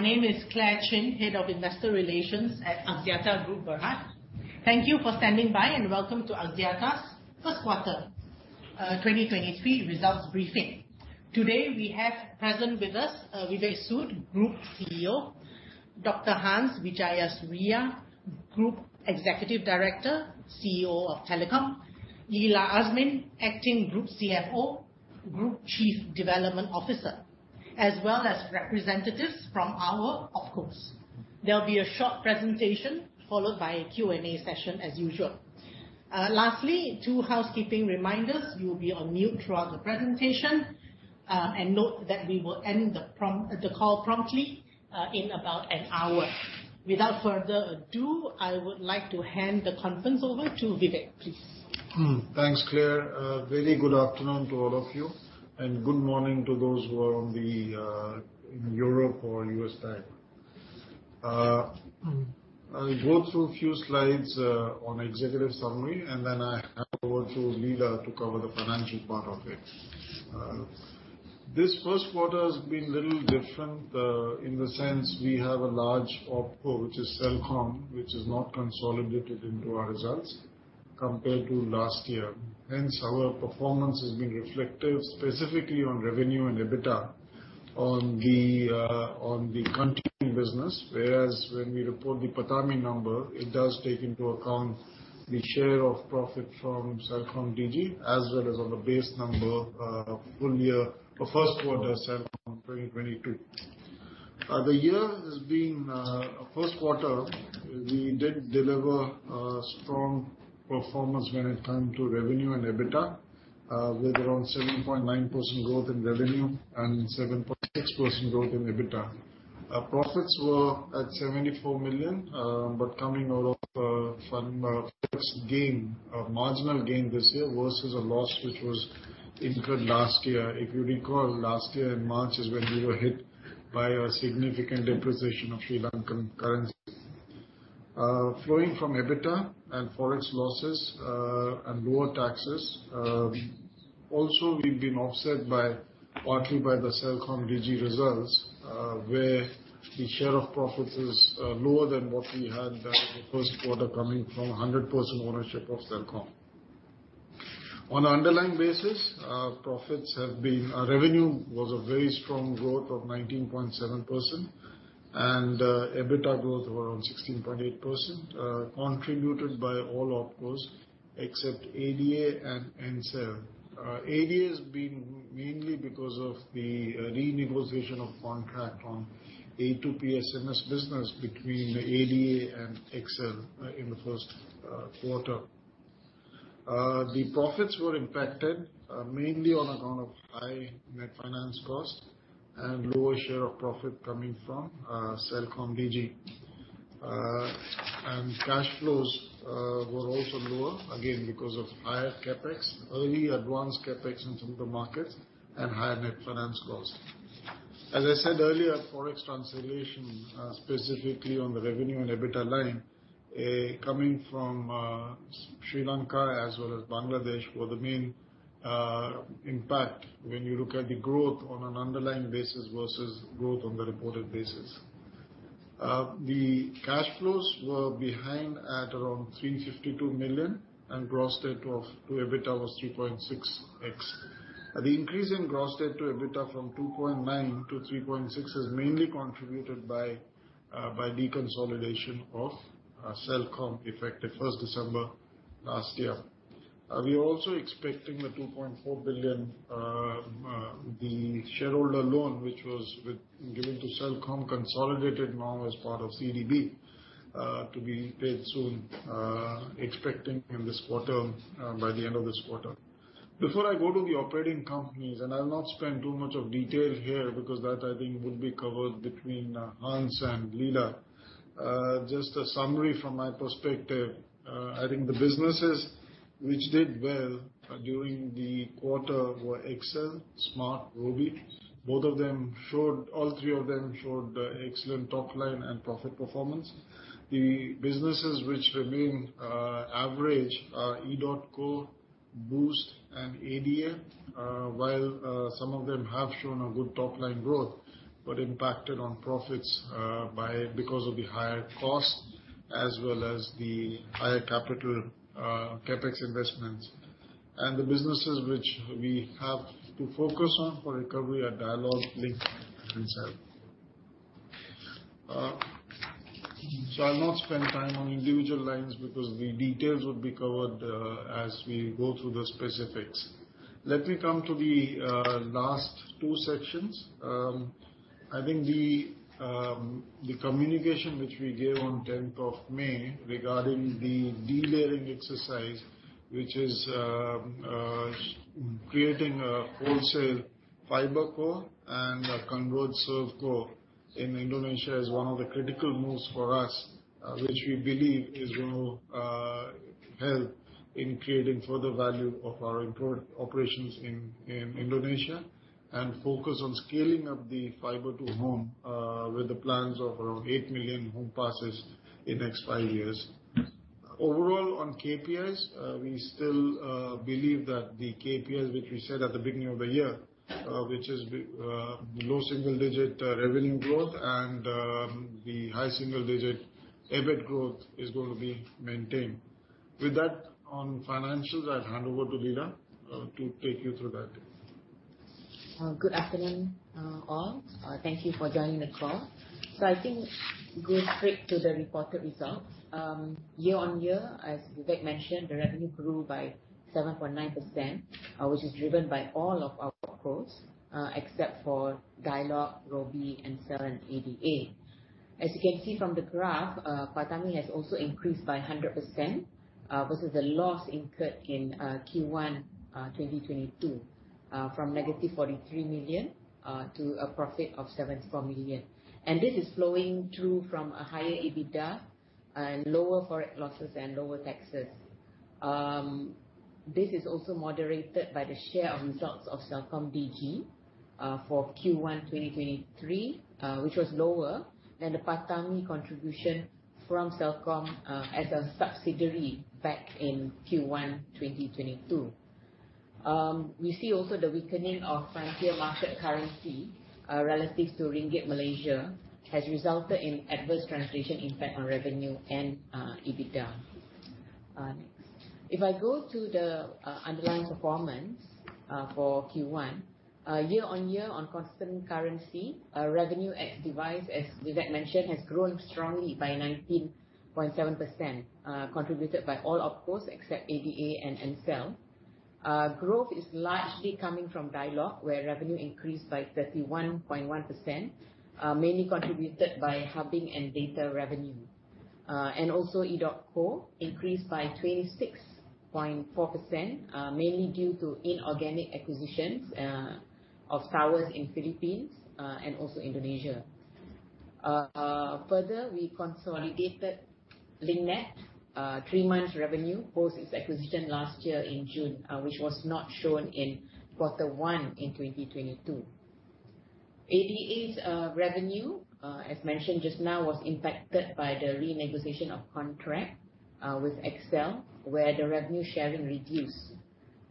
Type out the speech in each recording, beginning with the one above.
My name is Clare Chin, Head of Investor Relations at Axiata Group Berhad. Thank you for standing by, welcome to Axiata's first quarter 2023 results briefing. Today, we have present with us, Vivek Sood, Group CEO. Dr. Hans Wijayasuriya, Group Executive Director, CEO of Telecom. Lila Azmin, Acting Group CFO, Group Chief Development Officer. As well as representatives from our OpCos. There will be a short presentation followed by a Q&A session as usual. Lastly, two housekeeping reminders. You will be on mute throughout the presentation, note that we will end the call promptly in about an hour. Without further ado, I would like to hand the conference over to Vivek, please. Thanks, Clare. A very good afternoon to all of you, good morning to those who are on the in Europe or U.S. time. I'll go through a few slides on executive summary, I hand over to Lila to cover the financial part of it. This first quarter has been little different in the sense we have a large OpCo, which is Celcom, which is not consolidated into our results compared to last year. Hence, our performance is being reflected specifically on revenue and EBITDA on the on the continuing business. Whereas when we report the PATAMI number, it does take into account the share of profit from CelcomDigi as well as on the base number, full year for first quarter Celcom 2022. The year has been first quarter, we did deliver a strong performance when it come to revenue and EBITDA, with around 7.9% growth in revenue and 7.6% growth in EBITDA. Our profits were at 74 million. Coming out of from a fixed gain, a marginal gain this year versus a loss which was incurred last year. If you recall, last year in March is when we were hit by a significant depreciation of Sri Lankan currency. Flowing from EBITDA and FOREX losses, and lower taxes, also we've been offset partly by the CelcomDigi results, where the share of profits is lower than what we had done in the first quarter coming from 100% ownership of Celcom. On an underlying basis, our profits have been... Our revenue was a very strong growth of 19.7%, EBITDA growth around 16.8%, contributed by all OpCos except ADA and Ncell. ADA has been mainly because of the renegotiation of contract on A2P SMS business between ADA and XL in the first quarter. The profits were impacted mainly on account of high net finance costs and lower share of profit coming from CelcomDigi. Cash flows were also lower, again, because of higher CapEx, early advanced CapEx into the markets and higher net finance costs. As I said earlier, FOREX translation, specifically on the revenue and EBITDA line, coming from Sri Lanka as well as Bangladesh were the main impact when you look at the growth on an underlying basis versus growth on the reported basis. The cash flows were behind at around 352 million, and gross debt of to EBITDA was 3.6x. The increase in gross debt to EBITDA from 2.9 to 3.6 is mainly contributed by deconsolidation of Celcom effective 1st December last year. We're also expecting the 2.4 billion shareholder loan which was given to Celcom consolidated now as part of CDB to be paid soon, expecting in this quarter, by the end of this quarter. Before I go to the operating companies, I'll not spend too much of detail here because that I think would be covered between Hans and Lila. Just a summary from my perspective, I think the businesses which did well during the quarter were XL, Smart, Robi. All three of them showed excellent top line and profit performance. The businesses which remain average are edotco, Boost and ADA. While some of them have shown a good top line growth, but impacted on profits because of the higher costs as well as the higher capital CapEx investments. The businesses which we have to focus on for recovery are Dialog, Link and Ncell. I'll not spend time on individual lines because the details will be covered as we go through the specifics. Let me come to the last two sections. I think the communication which we gave on 10th of May regarding the delayering exercise, which is creating a wholesale FibreCo and a Converged ServeCo in Indonesia is one of the critical moves for us, which we believe is gonna help in creating further value of our import operations in Indonesia. Focus on scaling up the fiber to home with the plans of around 8 million home passes in next five years. Overall on KPIs, we still believe that the KPIs which we said at the beginning of the year, which is low single digit revenue growth and the high single digit EBIT growth is going to be maintained. With that on financials, I'll hand over to Leena to take you through that. Good afternoon, all. Thank you for joining the call. I think go straight to the reported results. Year-on-year, as Vivek mentioned, the revenue grew by 7.9%, which is driven by all of our growth, except for Dialog, Robi, Ncell, and ADA. As you can see from the graph, PATAMI has also increased by 100% versus a loss incurred in Q1 2022, from -43 million to a profit of 74 million. This is flowing through from a higher EBITDA and lower Forex losses and lower taxes. This is also moderated by the share of results of CelcomDigi for Q1 2023, which was lower than the PATAMI contribution from Celcom as a subsidiary back in Q1 2022. We see also the weakening of frontier market currency relative to Ringgit Malaysia has resulted in adverse translation impact on revenue and EBITDA. Next. If I go to the underlying performance for Q1. Year-on-year on constant currency, revenue ex device, as Vivek mentioned, has grown strongly by 19.7%, contributed by all OpCos except ADA and Ncell. Growth is largely coming from Dialog, where revenue increased by 31.1%, mainly contributed by hubbing and data revenue. Also edotco increased by 26.4%, mainly due to inorganic acquisitions of towers in Philippines and also Indonesia. Further, we consolidated LinkNet, three months revenue post its acquisition last year in June, which was not shown in Q1 in 2022. ADA's revenue, as mentioned just now, was impacted by the renegotiation of contract with XL, where the revenue sharing reduced.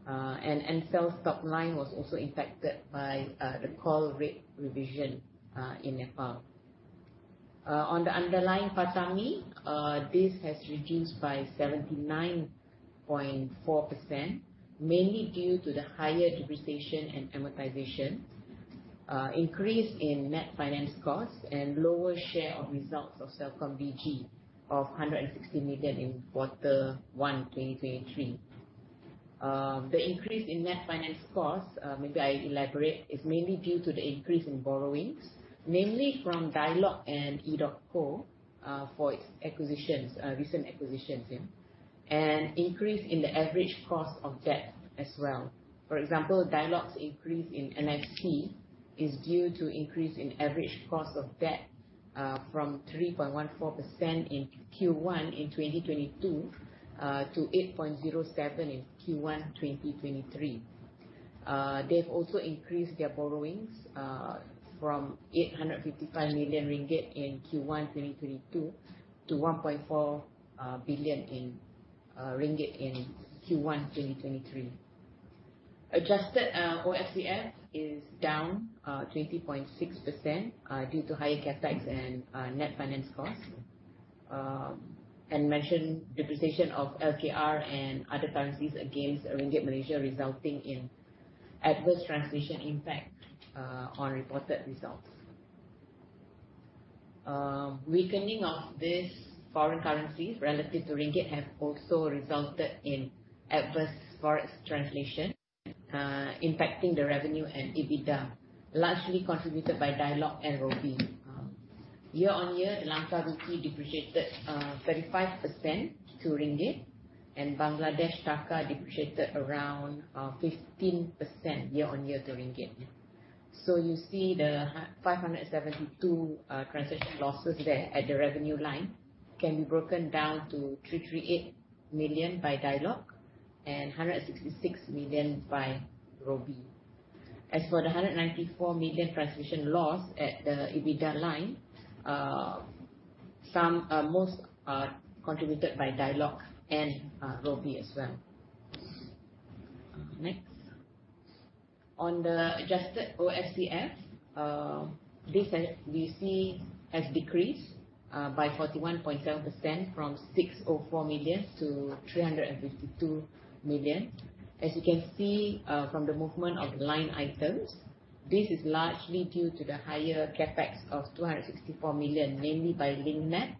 Ncell's top line was also impacted by the call rate revision in Nepal. On the underlying PATAMI, this has reduced by 79.4%, mainly due to the higher depreciation and amortization, increase in net finance costs and lower share of results of CelcomDigi of 160 million in Q1 2023. The increase in net finance costs, maybe I elaborate, is mainly due to the increase in borrowings, mainly from Dialog and edotco, for its acquisitions, recent acquisitions, yeah. Increase in the average cost of debt as well. For example, Dialog's increase in NFC is due to increase in average cost of debt, from 3.14% in Q1 2022 to 8.07% in Q1 2023. They've also increased their borrowings, from 855 million ringgit in Q1 2022 to 1.4 billion ringgit in Q1 2023. Adjusted OCF is down 20.6% due to higher CapEx and net finance costs. Mentioned depreciation of LKR and other currencies against Ringgit Malaysia resulting in adverse translation impact on reported results. Weakening of these foreign currencies relative to ringgit have also resulted in adverse Forex translation impacting the revenue and EBITDA, largely contributed by Dialog and Robi. Year on year, the Lanka Rupee depreciated 35% to Ringgit, and Bangladesh Taka depreciated around 15% year on year to Ringgit. You see the 572 transition losses there at the revenue line can be broken down to 338 million by Dialog and 166 million by Robi. As for the 194 million transition loss at the EBITDA line, some most are contributed by Dialog and Robi as well. Next. On the adjusted OCF, this as we see has decreased by 41.7% from 604 million to 352 million. As you can see, from the movement of the line items, this is largely due to the higher CapEx of 264 million, mainly by Link Net,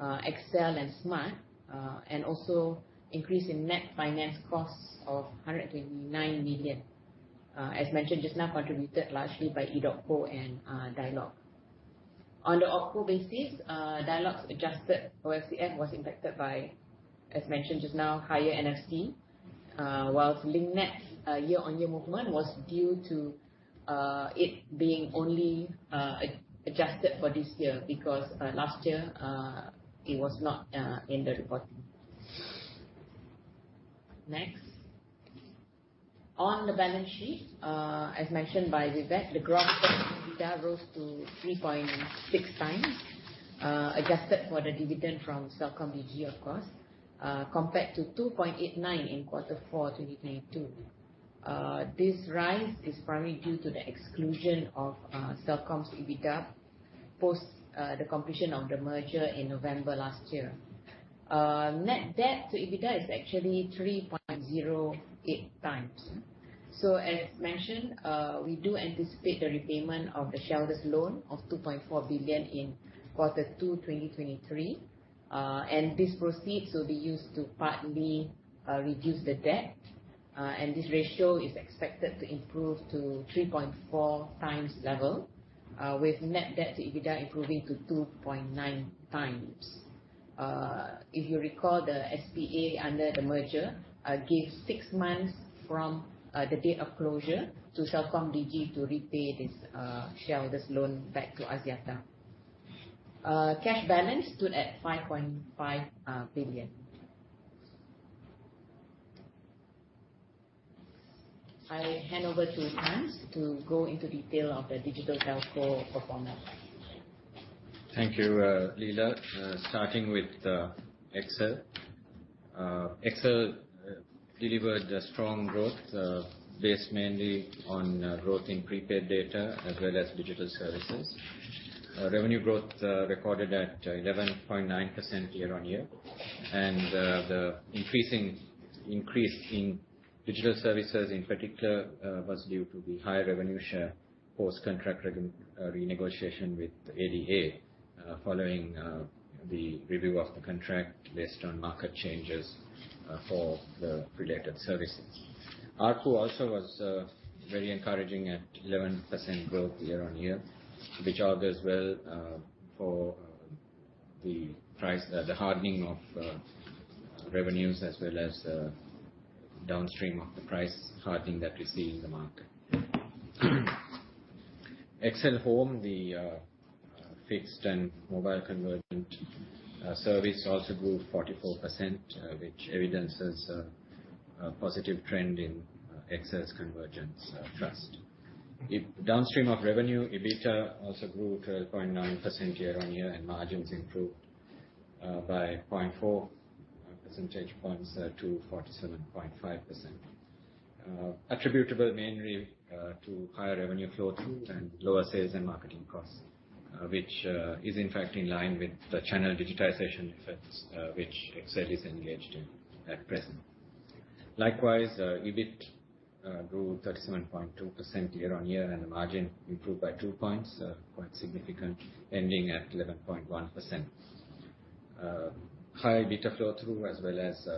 XL and Smart, and also increase in net finance costs of 129 million. As mentioned just now, contributed largely by edotco and Dialog. On the OpCo basis, Dialog's adjusted OCF was impacted by, as mentioned just now, higher NFC. Whilst Link Net's year-on-year movement was due to it being only adjusted for this year because last year it was not in the reporting. Next. On the balance sheet, as mentioned by Vivek, the growth of EBITDA rose to 3.6 times, adjusted for the dividend from CelcomDigi, of course, compared to 2.89 in quarter four, 2022. This rise is primarily due to the exclusion of Celcom's EBITDA post the completion of the merger in November last year. Net debt to EBITDA is actually 3.08 times. As mentioned, we do anticipate the repayment of the shareholders' loan of 2.4 billion in quarter two, 2023. This proceeds will be used to partly reduce the debt. This ratio is expected to improve to 3.4 times level, with net debt to EBITDA improving to 2.9 times. If you recall, the SPA under the merger gave six months from the date of closure to CelcomDigi to repay this shareholders' loan back to Axiata. Cash balance stood at 5.5 billion. I hand over to Hans to go into detail of the digital telco performance. Thank you, Leila. Starting with XL. XL delivered a strong growth, based mainly on growth in prepaid data as well as digital services. Revenue growth recorded at 11.9% year-on-year. The increase in digital services in particular was due to the higher revenue share post contract renegotiation with ADA, following the review of the contract based on market changes for the related services. ARPU also was very encouraging at 11% growth year-on-year, which augurs well for the price, the hardening of revenues as well as downstream of the price hardening that we see in the market. XL HOME, the fixed and mobile convergent service also grew 44%, which evidences a positive trend in XL's convergence trust. Downstream of revenue, EBITDA also grew to 0.9% year-on-year and margins improved by 0.4 percentage points to 47.5%. Attributable mainly to higher revenue flow through and lower sales and marketing costs, which is in fact in line with the channel digitization efforts, which XL is engaged in at present. Likewise, EBIT grew 37.2% year-on-year and the margin improved by 2 points, quite significant, ending at 11.1%. High EBITDA flow through as well as,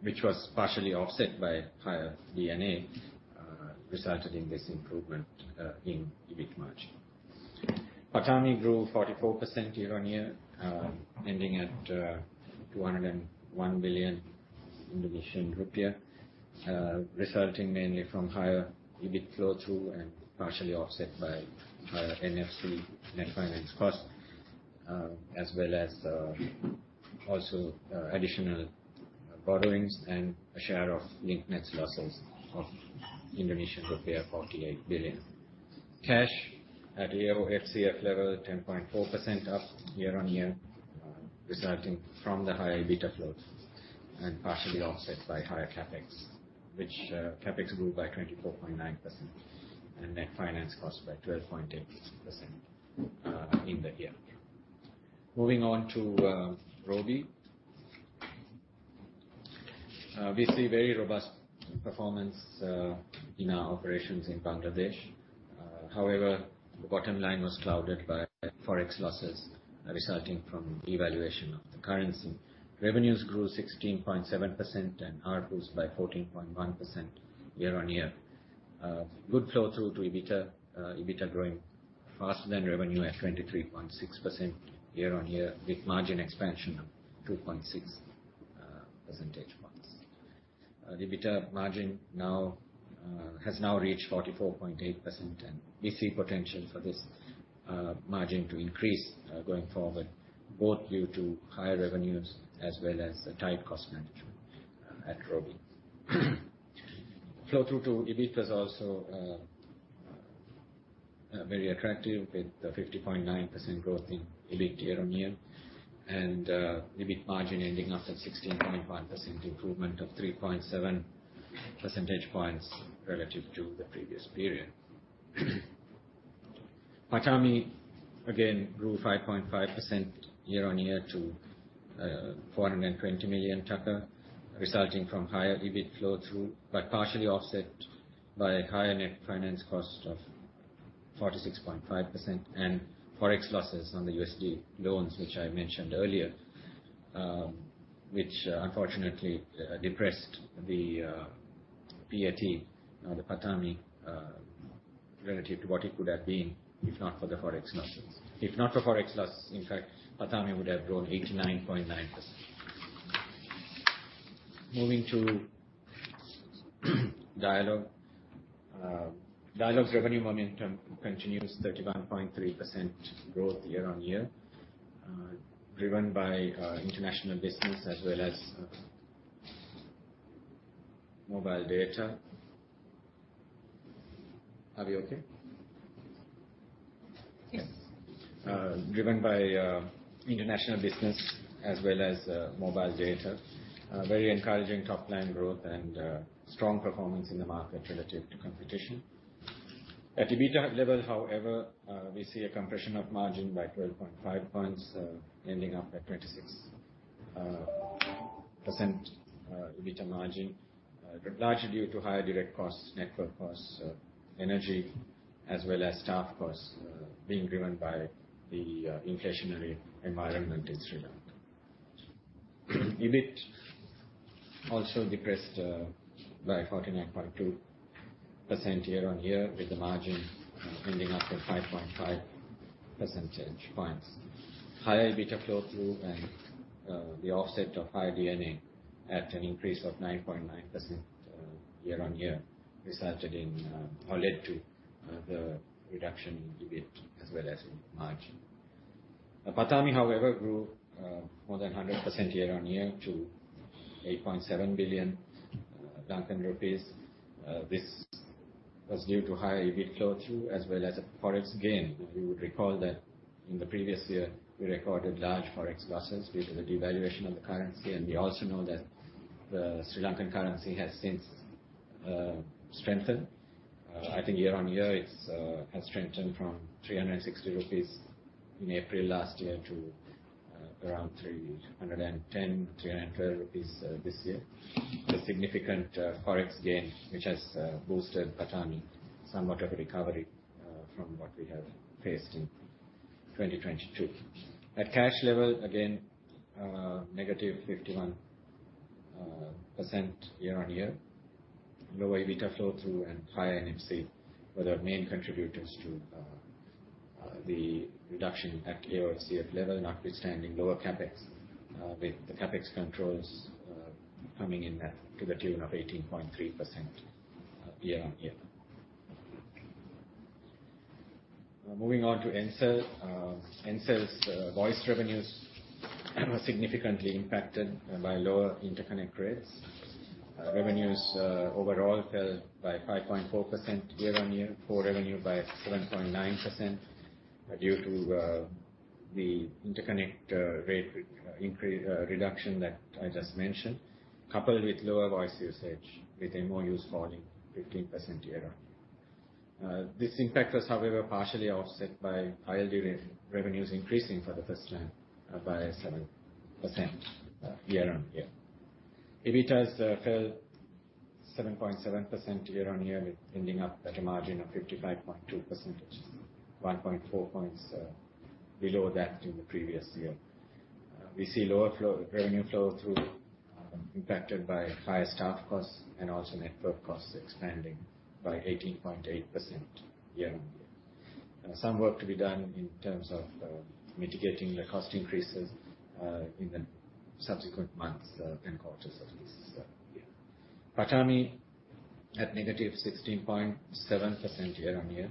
which was partially offset by higher D&A, resulted in this improvement in EBIT margin. PATAMI grew 44% year-on-year, ending at IDR 201 million, resulting mainly from higher EBIT flow through and partially offset by higher NFC net finance cost, as well as also additional borrowings and a share of Link Net's losses of rupiah 48 billion. Cash at AOFCF level 10.4% up year-on-year, resulting from the high EBITDA flow through and partially offset by higher CapEx, which CapEx grew by 24.9% and net finance cost by 12.8% in the year. Moving on to Robi. We see very robust performance in our operations in Bangladesh. However, the bottom line was clouded by Forex losses resulting from devaluation of the currency. Revenues grew 16.7% and ARPUs by 14.1% year-on-year. Good flow through to EBITDA. EBITDA growing faster than revenue at 23.6% year-on-year with margin expansion of 2.6 percentage points. The EBITDA margin now has now reached 44.8%, and we see potential for this margin to increase going forward, both due to higher revenues as well as the tight cost management at Robi. Flow through to EBIT was also very attractive with a 50.9% growth in EBIT year-on-year and EBIT margin ending up at 16.5%, improvement of 3.7 percentage points relative to the previous period. PATAMI again grew 5.5% year-on-year to BDT 420 million, resulting from higher EBIT flow through, but partially offset by higher net finance cost of 46.5% and Forex losses on the USD loans, which I mentioned earlier, which unfortunately, depressed the PAT, the PATAMI, relative to what it could have been if not for the Forex losses. If not for Forex loss, in fact, PATAMI would have grown 89.9%. Moving to Dialog's revenue momentum continues 31.3% growth year-on-year, driven by international business as well as mobile data. Are we okay? Yes. Driven by international business as well as mobile data. A very encouraging top-line growth and strong performance in the market relative to competition. At EBITDA level, however, we see a compression of margin by 12.5 points, ending up at 26% EBITDA margin. Largely due to higher direct costs, network costs, energy as well as staff costs, being driven by the inflationary environment in Sri Lanka. EBIT also depressed by 49.2% year-on-year, with the margin ending up at 5.5 percentage points. Higher EBITDA flow through and the offset of higher DNA at an increase of 9.9% year-on-year resulted in or led to the reduction in EBIT as well as in margin. PATAMI, however, grew more than 100% year-on-year to 8.7 billion Lankan rupees. This was due to higher EBIT flow through as well as a FOREX gain. You would recall that in the previous year we recorded large FOREX losses due to the devaluation of the currency. We also know that the Sri Lankan currency has since strengthened. I think year-on-year it's has strengthened from 360 rupees in April last year to around 310-312 rupees this year. A significant FOREX gain which has boosted PATAMI somewhat of a recovery from what we have faced in 2022. At cash level, again, -51% year-on-year. Lower EBITDA flow through and higher NFC were the main contributors to the reduction at AOFCF level, notwithstanding lower CapEx, with the CapEx controls coming in at to the tune of 18.3% year-on-year. Moving on to Ncell. Ncell's voice revenues were significantly impacted by lower interconnect rates. Revenues overall fell by 5.4% year-on-year. Core revenue by 7.9% due to the interconnect rate reduction that I just mentioned, coupled with lower voice usage with MOUs falling 15% year-on-year. This impact was, however, partially offset by higher data revenues increasing for the first time by 7% year-on-year. EBITDAs fell 7.7% year-on-year, with ending up at a margin of 55.2%, 1.4 points below that in the previous year. We see lower revenue flow through, impacted by higher staff costs and also network costs expanding by 18.8% year-on-year. Some work to be done in terms of mitigating the cost increases in the subsequent months and quarters of this year. PATAMI at -16.7% year-on-year,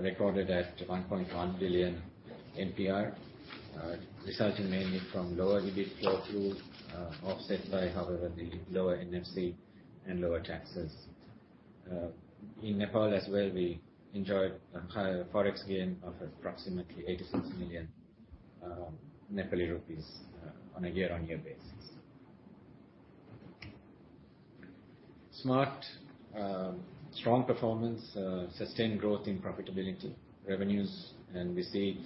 recorded at NPR 1.1 billion, resulting mainly from lower EBIT flow through, offset by, however, the lower NFC and lower taxes. In Nepal as well, we enjoyed a higher FOREX gain of approximately NPR 86 million on a year-on-year basis. Smart, strong performance, sustained growth in profitability, revenues. We see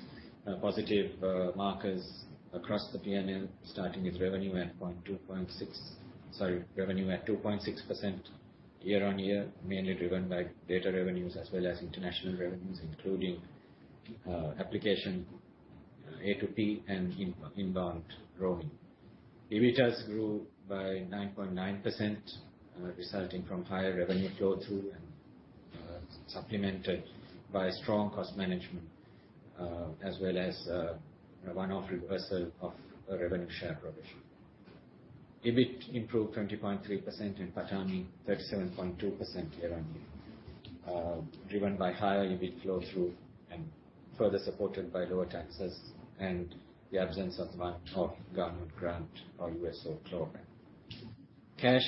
positive markers across the P&L, starting with revenue at 2.6% year on year, mainly driven by data revenues as well as international revenues, including application A2P and inbound roaming. EBITDA grew by 9.9% resulting from higher revenue flow through and supplemented by strong cost management as well as a one-off reversal of a revenue share provision. EBIT improved 20.3%, and PATAMI 37.2% year on year driven by higher EBIT flow through and further supported by lower taxes and the absence of one-off government grant or U.S.O clawback. Cash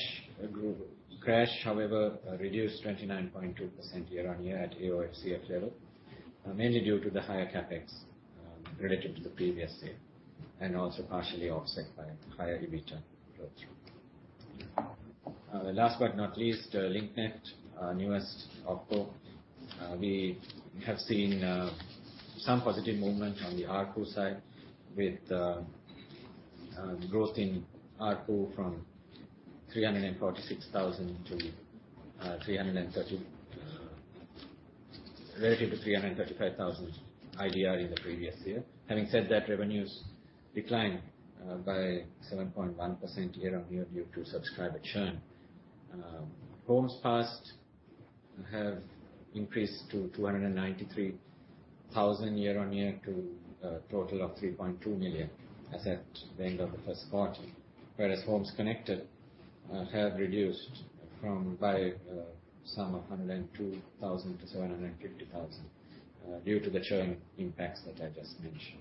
grew. Cash, however, reduced 29.2% year-on-year at AOFCF level, mainly due to the higher CapEx relative to the previous year, also partially offset by higher EBITA flow through. Last but not least, Link Net, our newest OpCo. We have seen some positive movement on the ARPU side with growth in ARPU from 346,000 to 330,000 relative to 335,000 IDR in the previous year. Having said that, revenues declined by 7.1% year-on-year due to subscriber churn. Forms passed have increased to 293,000 year-on-year to a total of 3.2 million as at the end of the first quarter. Homes connected have increased from 102,000 to 750,000 due to the churn impacts that I just mentioned.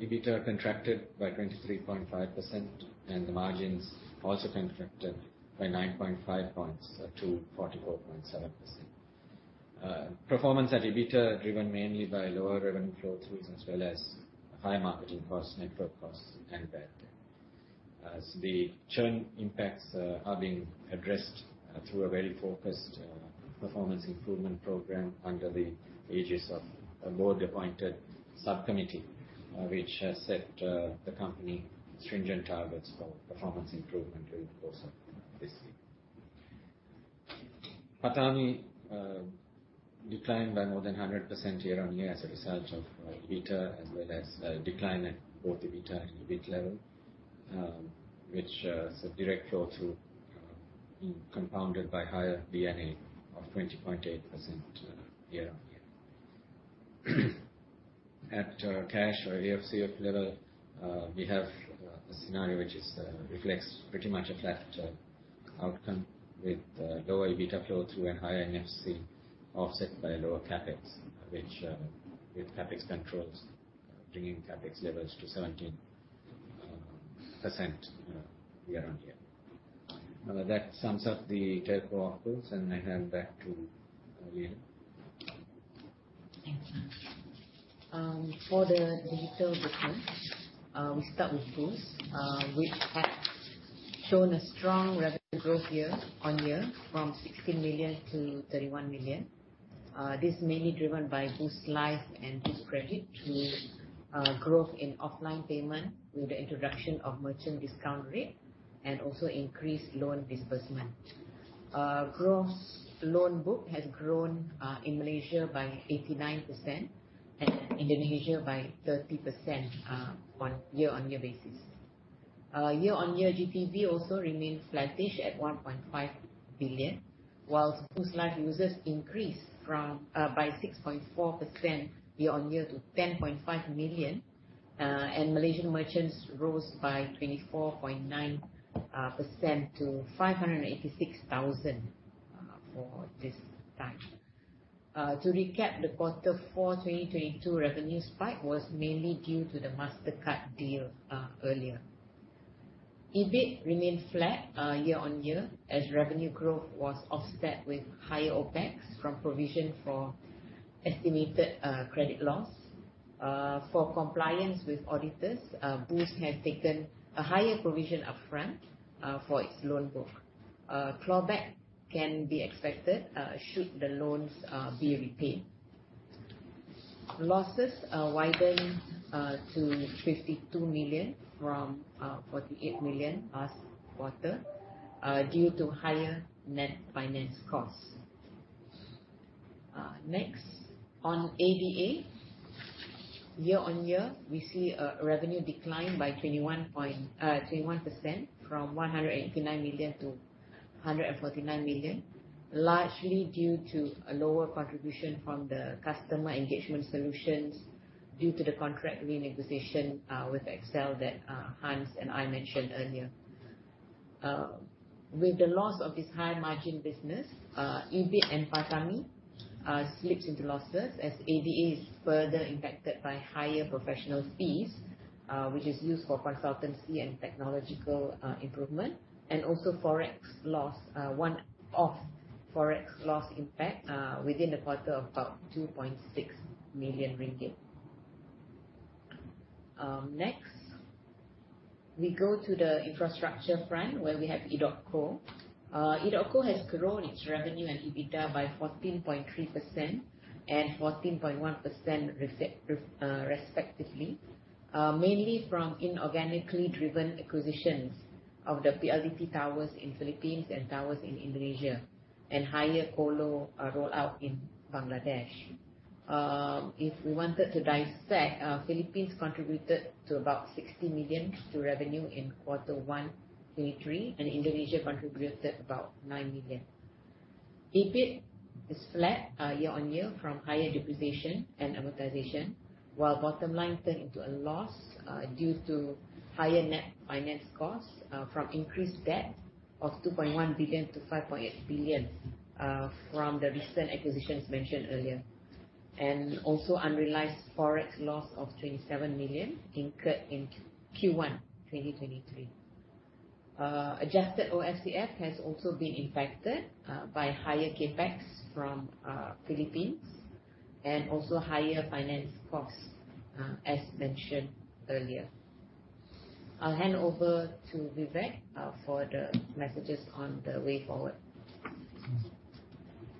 EBITDA contracted by 23.5% and the margins also contracted by 9.5 points to 44.7%. Performance at EBITDA driven mainly by lower revenue flow throughs as well as high marketing costs, network costs and debt. The churn impacts are being addressed through a very focused performance improvement program under the aegis of a board appointed subcommittee, which has set the company stringent targets for performance improvement over the course of this year. PATAMI declined by more than 100% year-on-year as a result of EBITDA, as well as a decline at both the EBITDA and EBIT level, which is a direct flow through, compounded by higher DNA of 20.8% year-on-year. At cash or EFCF level, we have a scenario which reflects pretty much a flat outcome with lower EBITDA flow through and higher NFC offset by lower CapEx, which with CapEx controls bringing CapEx levels to 17% year-on-year. That sums up the Telco operations. I hand back to Lila. Thanks, Hans. For the digital business, we start with Boost, which has shown a strong revenue growth year-over-year from 16 million to 31 million. This is mainly driven by Boost Life and Boost Credit through growth in offline payment with the introduction of merchant discount rate and also increased loan disbursement. Gross loan book has grown in Malaysia by 89% and Indonesia by 30% on a year-over-year basis. Year-over-year GPV also remains flattish at 1.5 billion, whilst Boost Life users increased by 6.4% year-over-year to 10.5 million. Malaysian merchants rose by 24.9% to 586,000 for this time. To recap the quarter four 2022 revenue spike was mainly due to the Mastercard deal earlier. EBIT remained flat year-on-year as revenue growth was offset with higher OpEx from provision for estimated credit loss. For compliance with auditors, Boost has taken a higher provision upfront for its loan book. Clawback can be expected should the loans be repaid. Losses widened to 52 million from 48 million last quarter due to higher net finance costs. Next on ADA. Year-on-year, we see a revenue decline by 21% from 189 million to 149 million. Largely due to a lower contribution from the customer engagement solutions due to the contract renegotiation with XL that Hans and I mentioned earlier. With the loss of this high margin business, EBIT and PATAMI slips into losses as ADA is further impacted by higher professional fees, which is used for consultancy and technological improvement, and also Forex loss, one-off Forex loss impact within the quarter of about 2.6 million ringgit. Next, we go to the infrastructure front, where we have edotco. edotco has grown its revenue and EBITDA by 14.3% and 14.1% respectively. mainly from inorganically driven acquisitions of the PLDT towers in Philippines and towers in Indonesia and higher colo rollout in Bangladesh. If we wanted to dissect, Philippines contributed to about 60 million to revenue in Q1 2023, and Indonesia contributed about 9 million. EBIT is flat year-over-year from higher depreciation and amortization, while bottom line turned into a loss due to higher net finance costs from increased debt of 2.1 billion-5.8 billion from the recent acquisitions mentioned earlier. Also unrealized Forex loss of 27 million incurred in Q1 2023. Adjusted OSCF has also been impacted by higher CapEx from Philippines and also higher finance costs as mentioned earlier. I'll hand over to Vivek for the messages on the way forward.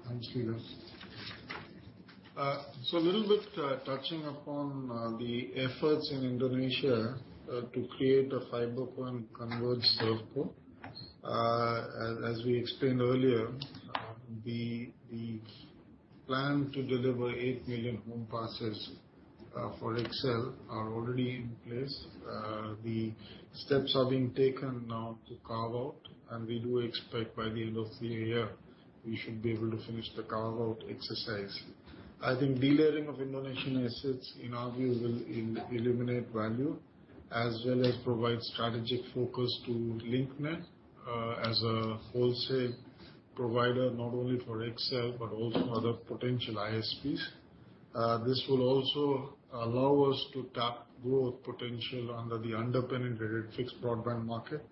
Thanks, Lila. A little bit touching upon the efforts in Indonesia to create a fiber point converge serve port. As we explained earlier. The plan to deliver 8 million home passes for XL are already in place. The steps are being taken now to carve out, we do expect by the end of the year, we should be able to finish the carve out exercise. I think delayering of Indonesian assets, in our view, will eliminate value as well as provide strategic focus to Link Net as a wholesale provider, not only for XL but also other potential ISPs. This will also allow us to tap growth potential under the underpenetrated fixed broadband market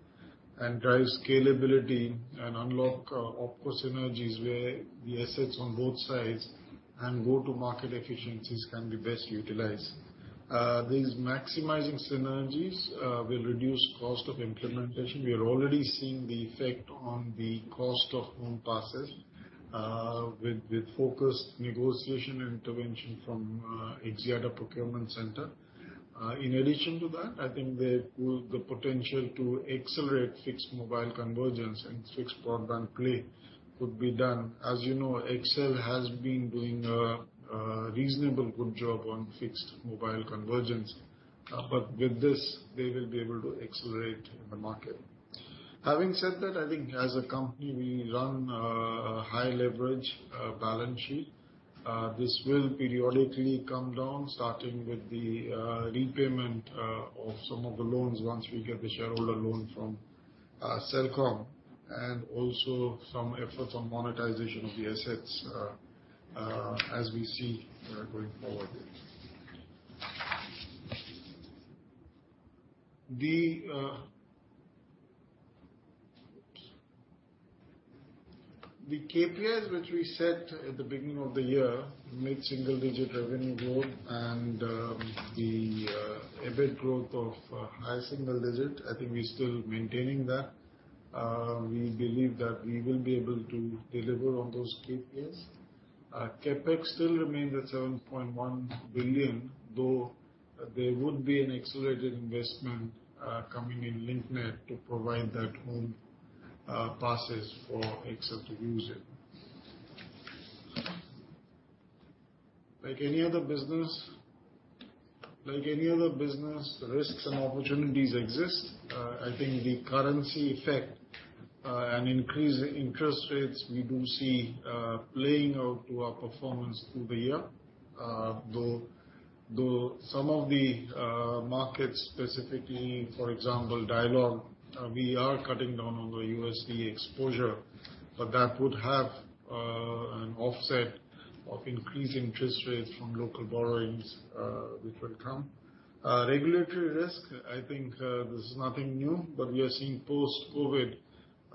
and drive scalability and unlock OpCo synergies where the assets on both sides and go-to-market efficiencies can be best utilized. These maximizing synergies will reduce cost of implementation. We are already seeing the effect on the cost of home passes with focused negotiation intervention from Axiata Procurement Center. In addition to that, I think there is the potential to accelerate fixed-mobile convergence and fixed broadband play could be done. As you know, XL has been doing a reasonable good job on fixed-mobile convergence, but with this, they will be able to accelerate in the market. Having said that, I think as a company we run a high leverage balance sheet. This will periodically come down, starting with the repayment of some of the loans once we get the shareholder loan from Celcom, and also some efforts on monetization of the assets as we see going forward. The. The KPIs which we set at the beginning of the year, mid-single digit revenue growth and the EBIT growth of high single digit, I think we're still maintaining that. We believe that we will be able to deliver on those KPIs. CapEx still remains at 7.1 billion, though there would be an accelerated investment coming in Link Net to provide that home passes for XL to use it. Like any other business, the risks and opportunities exist. I think the currency effect and increasing interest rates we do see playing out to our performance through the year. Though some of the markets specifically, for example, Dialog, we are cutting down on the USD exposure, but that would have an offset of increased interest rates from local borrowings, which will come. Regulatory risk, I think, there's nothing new, but we are seeing post-COVID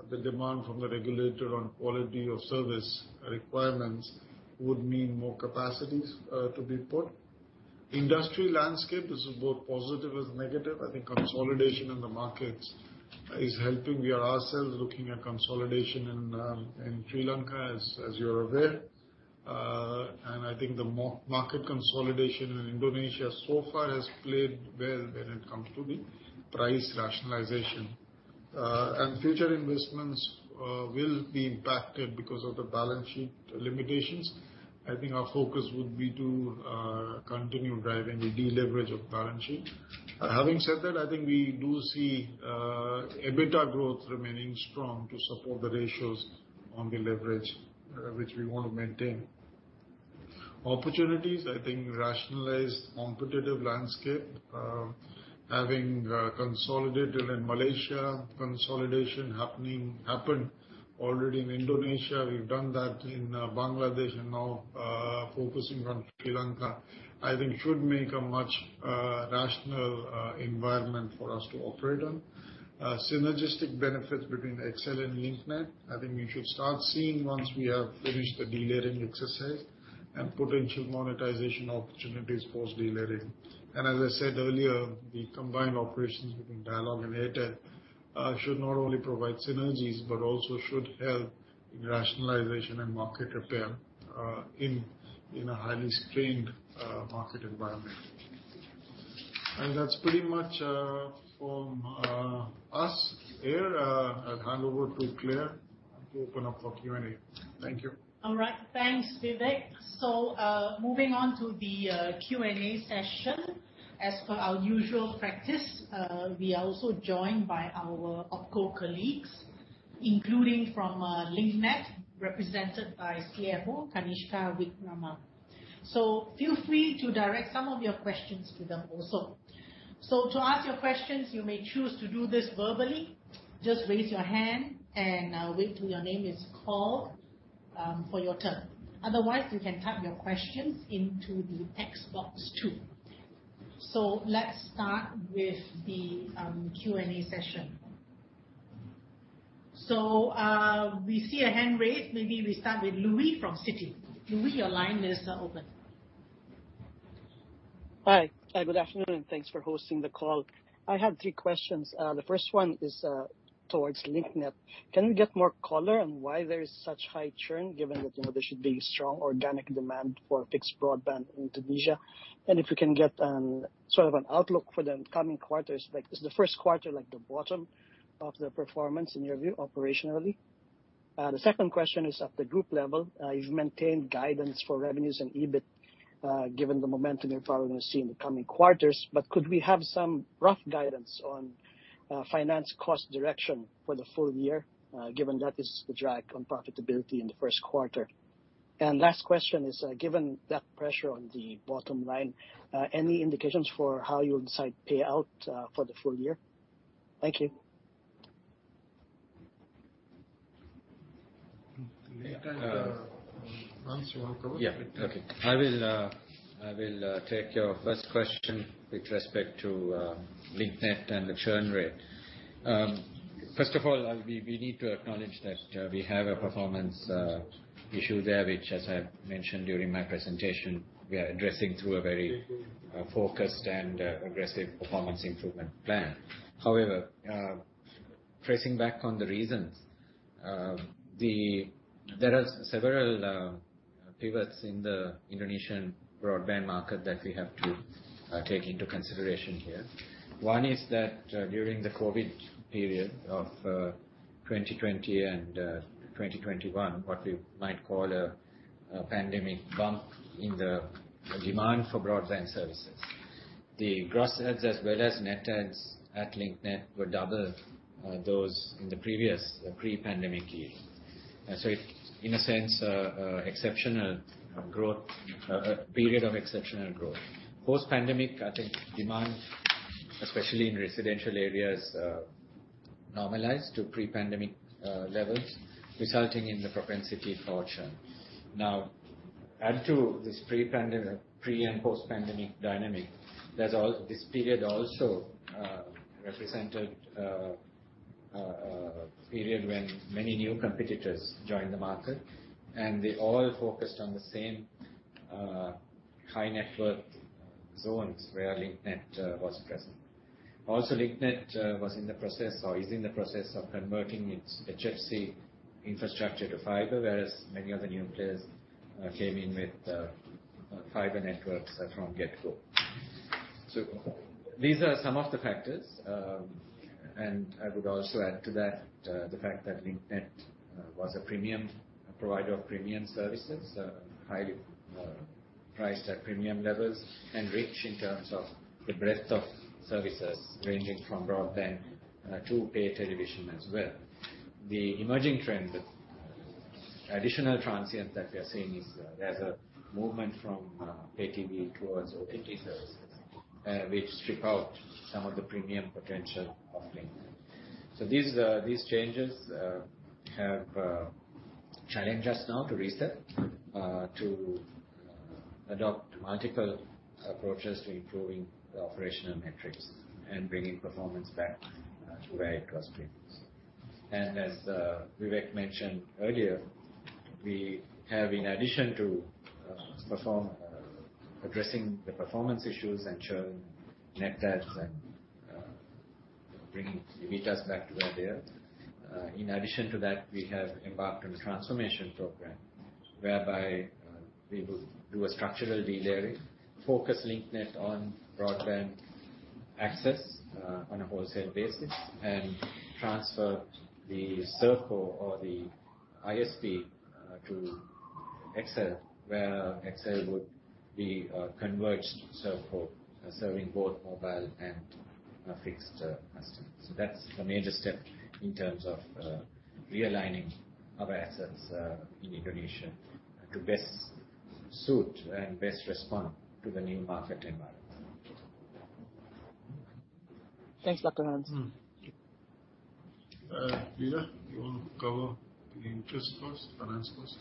the demand from the regulator on quality of service requirements would mean more capacities to be put. Industry landscape, this is both positive and negative. I think consolidation in the markets is helping. We are ourselves looking at consolidation in Sri Lanka, as you're aware. I think the market consolidation in Indonesia so far has played well when it comes to the price rationalization. Future investments will be impacted because of the balance sheet limitations. I think our focus would be to continue driving the deleverage of balance sheet. Having said that, I think we do see EBITDA growth remaining strong to support the ratios on the leverage, which we wanna maintain. Opportunities, I think rationalized competitive landscape. Having consolidated in Malaysia, consolidation happened already in Indonesia. We've done that in Bangladesh and now focusing on Sri Lanka, I think should make a much rational environment for us to operate on. Synergistic benefits between XL and Link Net, I think we should start seeing once we have finished the delayering exercise and potential monetization opportunities post-delayering. As I said earlier, the combined operations between Dialog and Airtel Lanka should not only provide synergies but also should help in rationalization and market repair in a highly strained market environment. That's pretty much, from us here. I'll hand over to Clare to open up for Q&A. Thank you. All right. Thanks, Vivek. Moving on to the Q&A session. As per our usual practice, we are also joined by our OpCo colleagues, including from Link Net, represented by CFO Kanishka Wickrama. Feel free to direct some of your questions to them also. To ask your questions, you may choose to do this verbally. Just raise your hand and wait till your name is called for your turn. Otherwise, you can type your questions into the text box too. Let's start with the Q&A session. We see a hand raised. Maybe we start with Luis from Citi. Luis, your line is now open. Hi. Hi, good afternoon, and thanks for hosting the call. I have three questions. The first one is towards Link Net. Can we get more color on why there is such high churn, given that, you know, there should be strong organic demand for fixed broadband in Indonesia? If we can get sort of an outlook for the coming quarters, like is the first quarter like the bottom of the performance in your view, operationally? The second question is at the group level. You've maintained guidance for revenues and EBIT, given the momentum you're probably gonna see in the coming quarters. Could we have some rough guidance on finance cost direction for the full year, given that is the drag on profitability in the first quarter? Last question is, given that pressure on the bottom line, any indications for how you'll decide payout for the full year? Thank you. You take, Hans, do you want to go? Yeah. Okay. I will take your first question with respect to Link Net and the churn rate. First of all, we need to acknowledge that we have a performance issue there, which as I mentioned during my presentation, we are addressing through a very focused and aggressive performance improvement plan. However, tracing back on the reasons, there are several pivots in the Indonesian broadband market that we have to take into consideration here. One is that during the COVID period of 2020 and 2021, what we might call a pandemic bump in the demand for broadband services. The gross adds as well as net adds at Link Net were double those in the previous pre-pandemic year. In a sense, exceptional growth, period of exceptional growth. Post-pandemic, I think demand, especially in residential areas, normalized to pre-pandemic levels, resulting in the propensity for churn. Add to this pre-pandemic and post-pandemic dynamic, this period also represented a period when many new competitors joined the market, and they all focused on the same high network zones where Link Net was present. Link Net was in the process or is in the process of converting its HFC infrastructure to fiber, whereas many other new players came in with fiber networks from get-go. These are some of the factors, and I would also add to that, the fact that Link Net was a premium provider of premium services, highly priced at premium levels and rich in terms of the breadth of services ranging from broadband to pay television as well. The emerging trend with additional transient that we are seeing is there's a movement from pay TV towards OTT services, which strip out some of the premium potential of Link Net. These changes have challenged us now to reset, to adopt multiple approaches to improving the operational metrics and bringing performance back to where it was previously. As Vivek mentioned earlier, we have, in addition to addressing the performance issues and churning net adds and bringing EBITDA back to where they are, in addition to that, we have embarked on a transformation program whereby we would do a structural delayering, focus Link Net on broadband access on a wholesale basis, and transfer the ServeCo or the ISP to XL, where XL would be a Converged ServeCo serving both mobile and fixed customers. That's the major step in terms of realigning our assets in Indonesia to best suit and best respond to the new market environment. Thanks, Dr. Hans. Lila, you want to cover the interest costs, finance costs?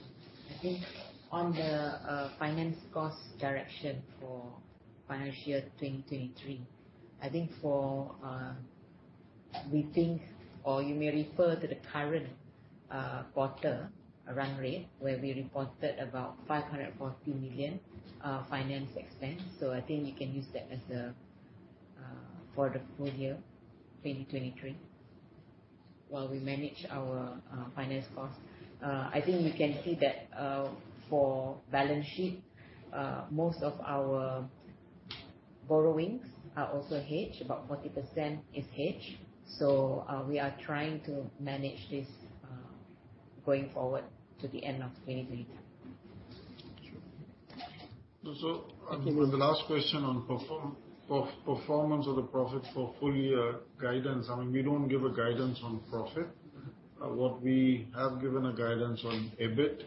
I think on the finance cost direction for financial year 2023, I think for we think or you may refer to the current quarter run rate where we reported about 540 million finance expense. I think you can use that as a for the full year 2023 while we manage our finance costs. I think you can see that for balance sheet, most of our borrowings are also hedged. About 40% is hedged. We are trying to manage this going forward to the end of 2023. Sure. I think with the last question on performance of the profit for full year guidance, I mean, we don't give a guidance on profit. What we have given a guidance on EBIT.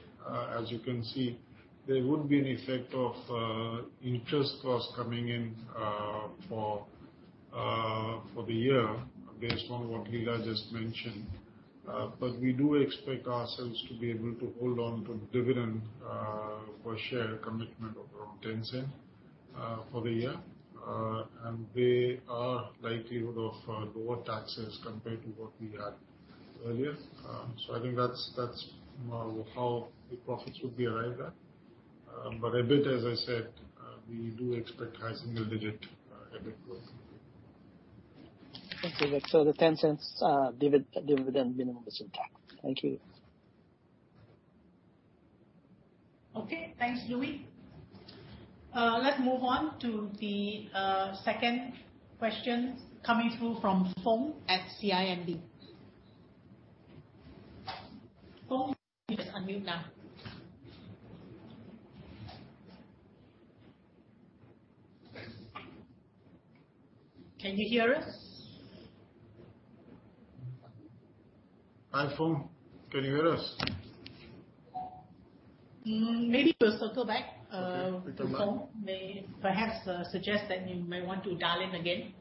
As you can see, there would be an effect of interest costs coming in for the year based on what Lila just mentioned. We do expect ourselves to be able to hold on to dividend per share commitment of around 0.10 for the year. There are likelihood of lower taxes compared to what we had earlier. I think that's how the profits would be arrived at. EBIT, as I said, we do expect high single-digit EBIT growth. Okay. the 0.10, dividend minimum is intact. Thank you. Okay. Thanks, Luis. Let's move on to the second question coming through from Foong at CIMB. Foong, you just unmute now. Can you hear us? Hi, Foong. Can you hear us? Maybe we'll circle back. Okay. We come back. With Foong. May perhaps, suggest that you may want to dial in again.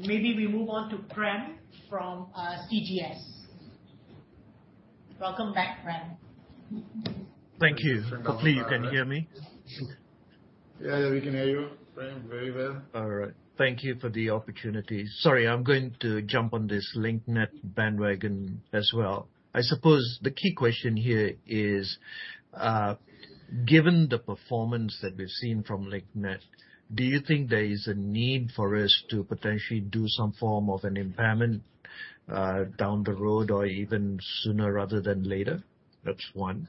Maybe we move on to Prem from CGS-CIMB. Welcome back, Prem. Thank you. Welcome back. Hopefully you can hear me. Yeah, we can hear you, Prem, very well. All right. Thank you for the opportunity. Sorry, I'm going to jump on this Link Net bandwagon as well. I suppose the key question here is, given the performance that we've seen from Link Net, do you think there is a need for us to potentially do some form of an impairment, down the road or even sooner rather than later? That's 1.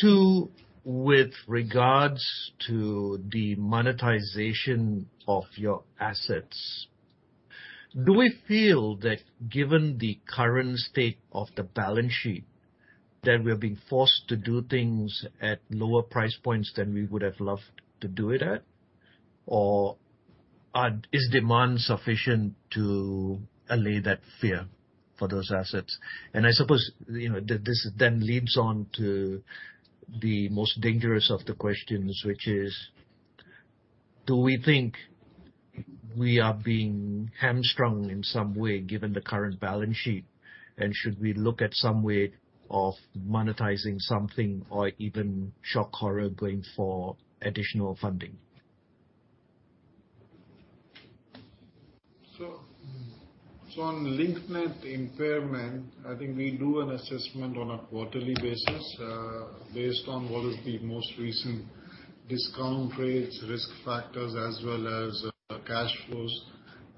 2, with regards to the monetization of your assets, do we feel that given the current state of the balance sheet, that we're being forced to do things at lower price points than we would have loved to do it at? Or is demand sufficient to allay that fear for those assets? I suppose, you know, this then leads on to the most dangerous of the questions, which is, do we think we are being hamstrung in some way, given the current balance sheet? Should we look at some way of monetizing something or even shock horror going for additional funding? On LinkNet impairment, I think we do an assessment on a quarterly basis, based on what is the most recent discount rates, risk factors, as well as cash flows.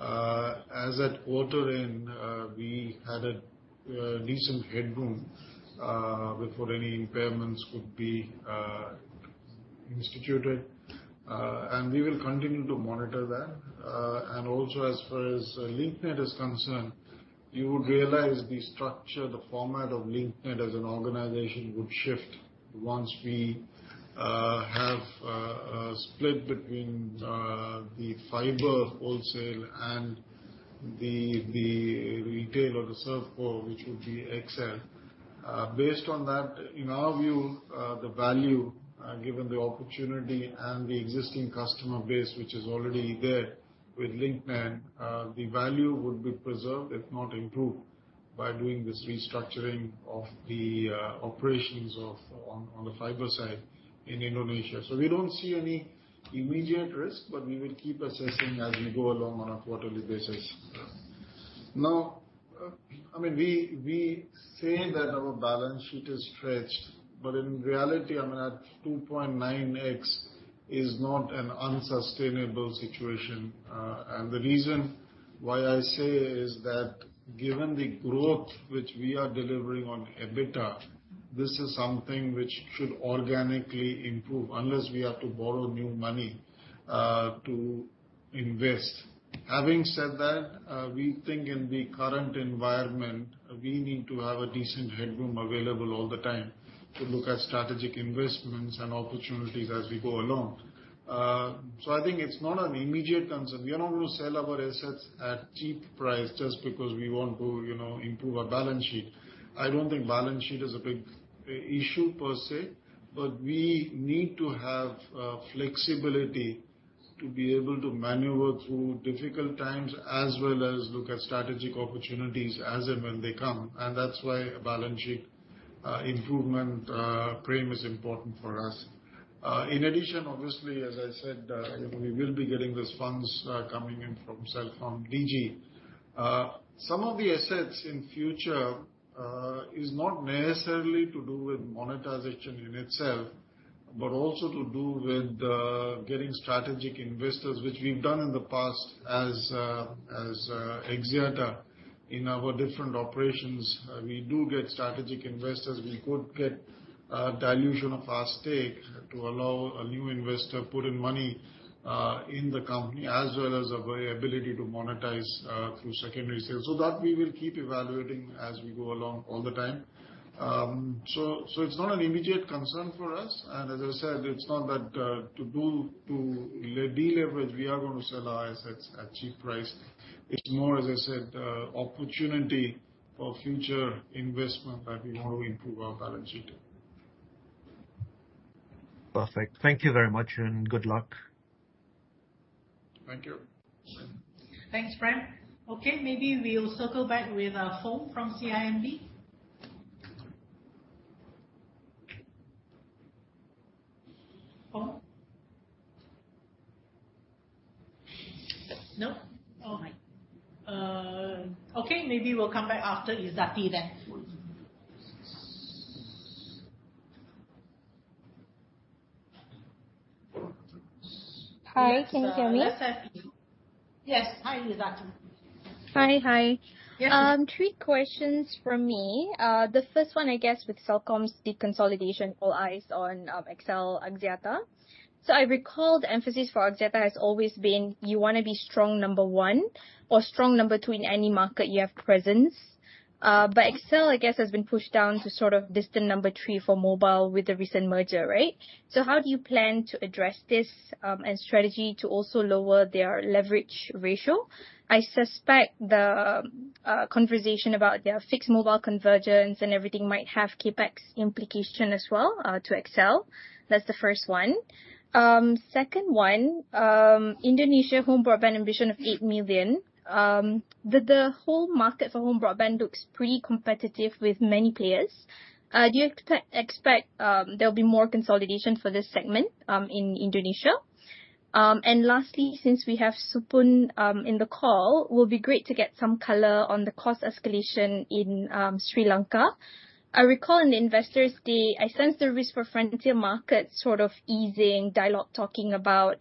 As at quarter end, we had a decent headroom before any impairments could be instituted. We will continue to monitor that. As far as LinkNet is concerned, you would realize the structure, the format of LinkNet as an organization would shift once we have a split between the fiber wholesale and the retail or the ServeCo, which would be XL. Based on that, in our view, the value, given the opportunity and the existing customer base, which is already there with LinkNet, the value would be preserved if not improved by doing this restructuring of the operations of. on the fiber side in Indonesia. We don't see any immediate risk, but we will keep assessing as we go along on a quarterly basis. Now, I mean, we say that our balance sheet is stretched, but in reality, I mean, at 2.9x is not an unsustainable situation. The reason why I say is that, given the growth which we are delivering on EBITDA, this is something which should organically improve unless we have to borrow new money to invest. Having said that, we think in the current environment, we need to have a decent headroom available all the time to look at strategic investments and opportunities as we go along. I think it's not an immediate concern. We are not going to sell our assets at cheap price just because we want to, you know, improve our balance sheet. I don't think balance sheet is a big issue per se, but we need to have flexibility to be able to maneuver through difficult times as well as look at strategic opportunities as and when they come. That's why balance sheet improvement, Prem, is important for us. In addition, obviously, as I said, you know, we will be getting these funds coming in from CelcomDigi. Some of the assets in future is not necessarily to do with monetization in itself, but also to do with getting strategic investors, which we've done in the past as Axiata in our different operations. We do get strategic investors. We could get dilution of our stake to allow a new investor put in money in the company, as well as our ability to monetize through secondary sales. That we will keep evaluating as we go along all the time. It's not an immediate concern for us. As I said, it's not that, to delever we are gonna sell our assets at cheap price. It's more, as I said, opportunity for future investment that we want to improve our balance sheet. Perfect. Thank you very much, and good luck. Thank you. Thanks, Prem. Okay, maybe we'll circle back with Foong from CIMB. Foong? No? All right. Okay, maybe we'll come back after Izzati then. Hi, can you hear me? Yes, let's have Peelu. Yes. Hi, Izza. Hi. Hi. Yes. Three questions from me. The first one, I guess, with Celcom's deconsolidation, all eyes on XL Axiata. I recall the emphasis for Axiata has always been you wanna be strong number one or strong number two in any market you have presence. XL, I guess, has been pushed down to sort of distant number three for mobile with the recent merger, right? How do you plan to address this and strategy to also lower their leverage ratio? I suspect the conversation about their Fixed-Mobile Convergence and everything might have CapEx implication as well to XL. That's the first one. Second one, Indonesia home broadband ambition of 8 million. The whole market for home broadband looks pretty competitive with many players. Do you expect there'll be more consolidation for this segment in Indonesia? Lastly, since we have Supun in the call, will be great to get some color on the cost escalation in Sri Lanka. I recall in the investors day, I sense the risk for frontier markets sort of easing dialogue, talking about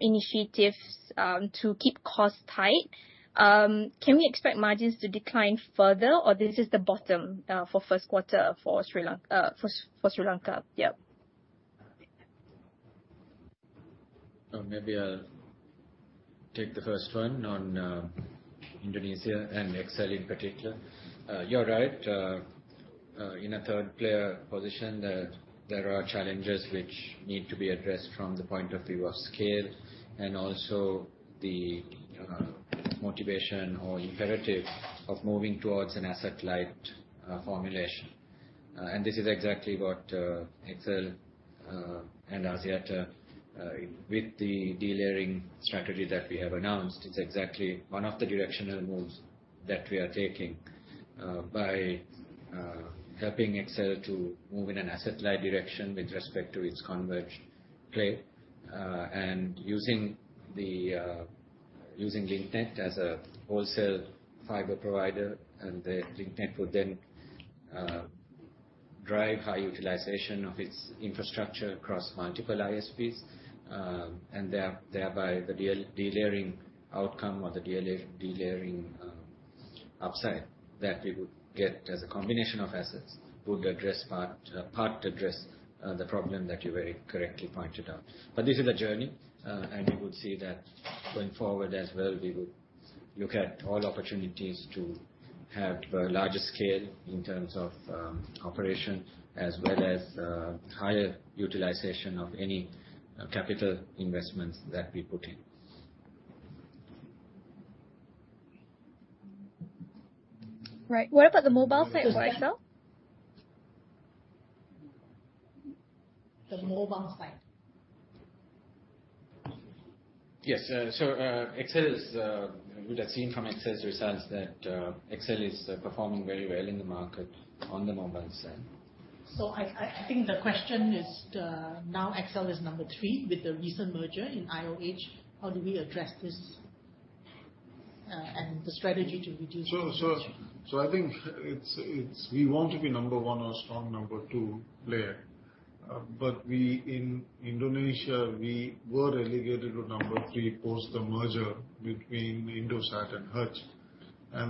initiatives to keep costs tight. Can we expect margins to decline further, or this is the bottom for first quarter for Sri Lanka? Maybe I'll take the first one on Indonesia and XL in particular. You're right. In a third player position, there are challenges which need to be addressed from the point of view of scale and also the motivation or imperative of moving towards an asset-light formulation. This is exactly what XL and Axiata, with the delayering strategy that we have announced, is exactly one of the directional moves that we are taking by helping XL to move in an asset-light direction with respect to its converged play. Using LinkNet as a wholesale fiber provider, the LinkNet would then drive high utilization of its infrastructure across multiple ISPs. thereby the delayering outcome or the delayering upside that we would get as a combination of assets would address part address the problem that you very correctly pointed out. This is a journey, and you would see that going forward as well, we would look at all opportunities to have a larger scale in terms of operation as well as higher utilization of any capital investments that we put in. Right. What about the mobile side for XL? The mobile side. Yes. We have seen from XL's results that, XL is performing very well in the market on the mobile side. I think the question is now XL is number 3 with the recent merger in IOH, how do we address this, and the strategy to reduce. I think it's we want to be number one or strong number two player. We, in Indonesia, we were relegated to number three post the merger between Indosat and Hutch.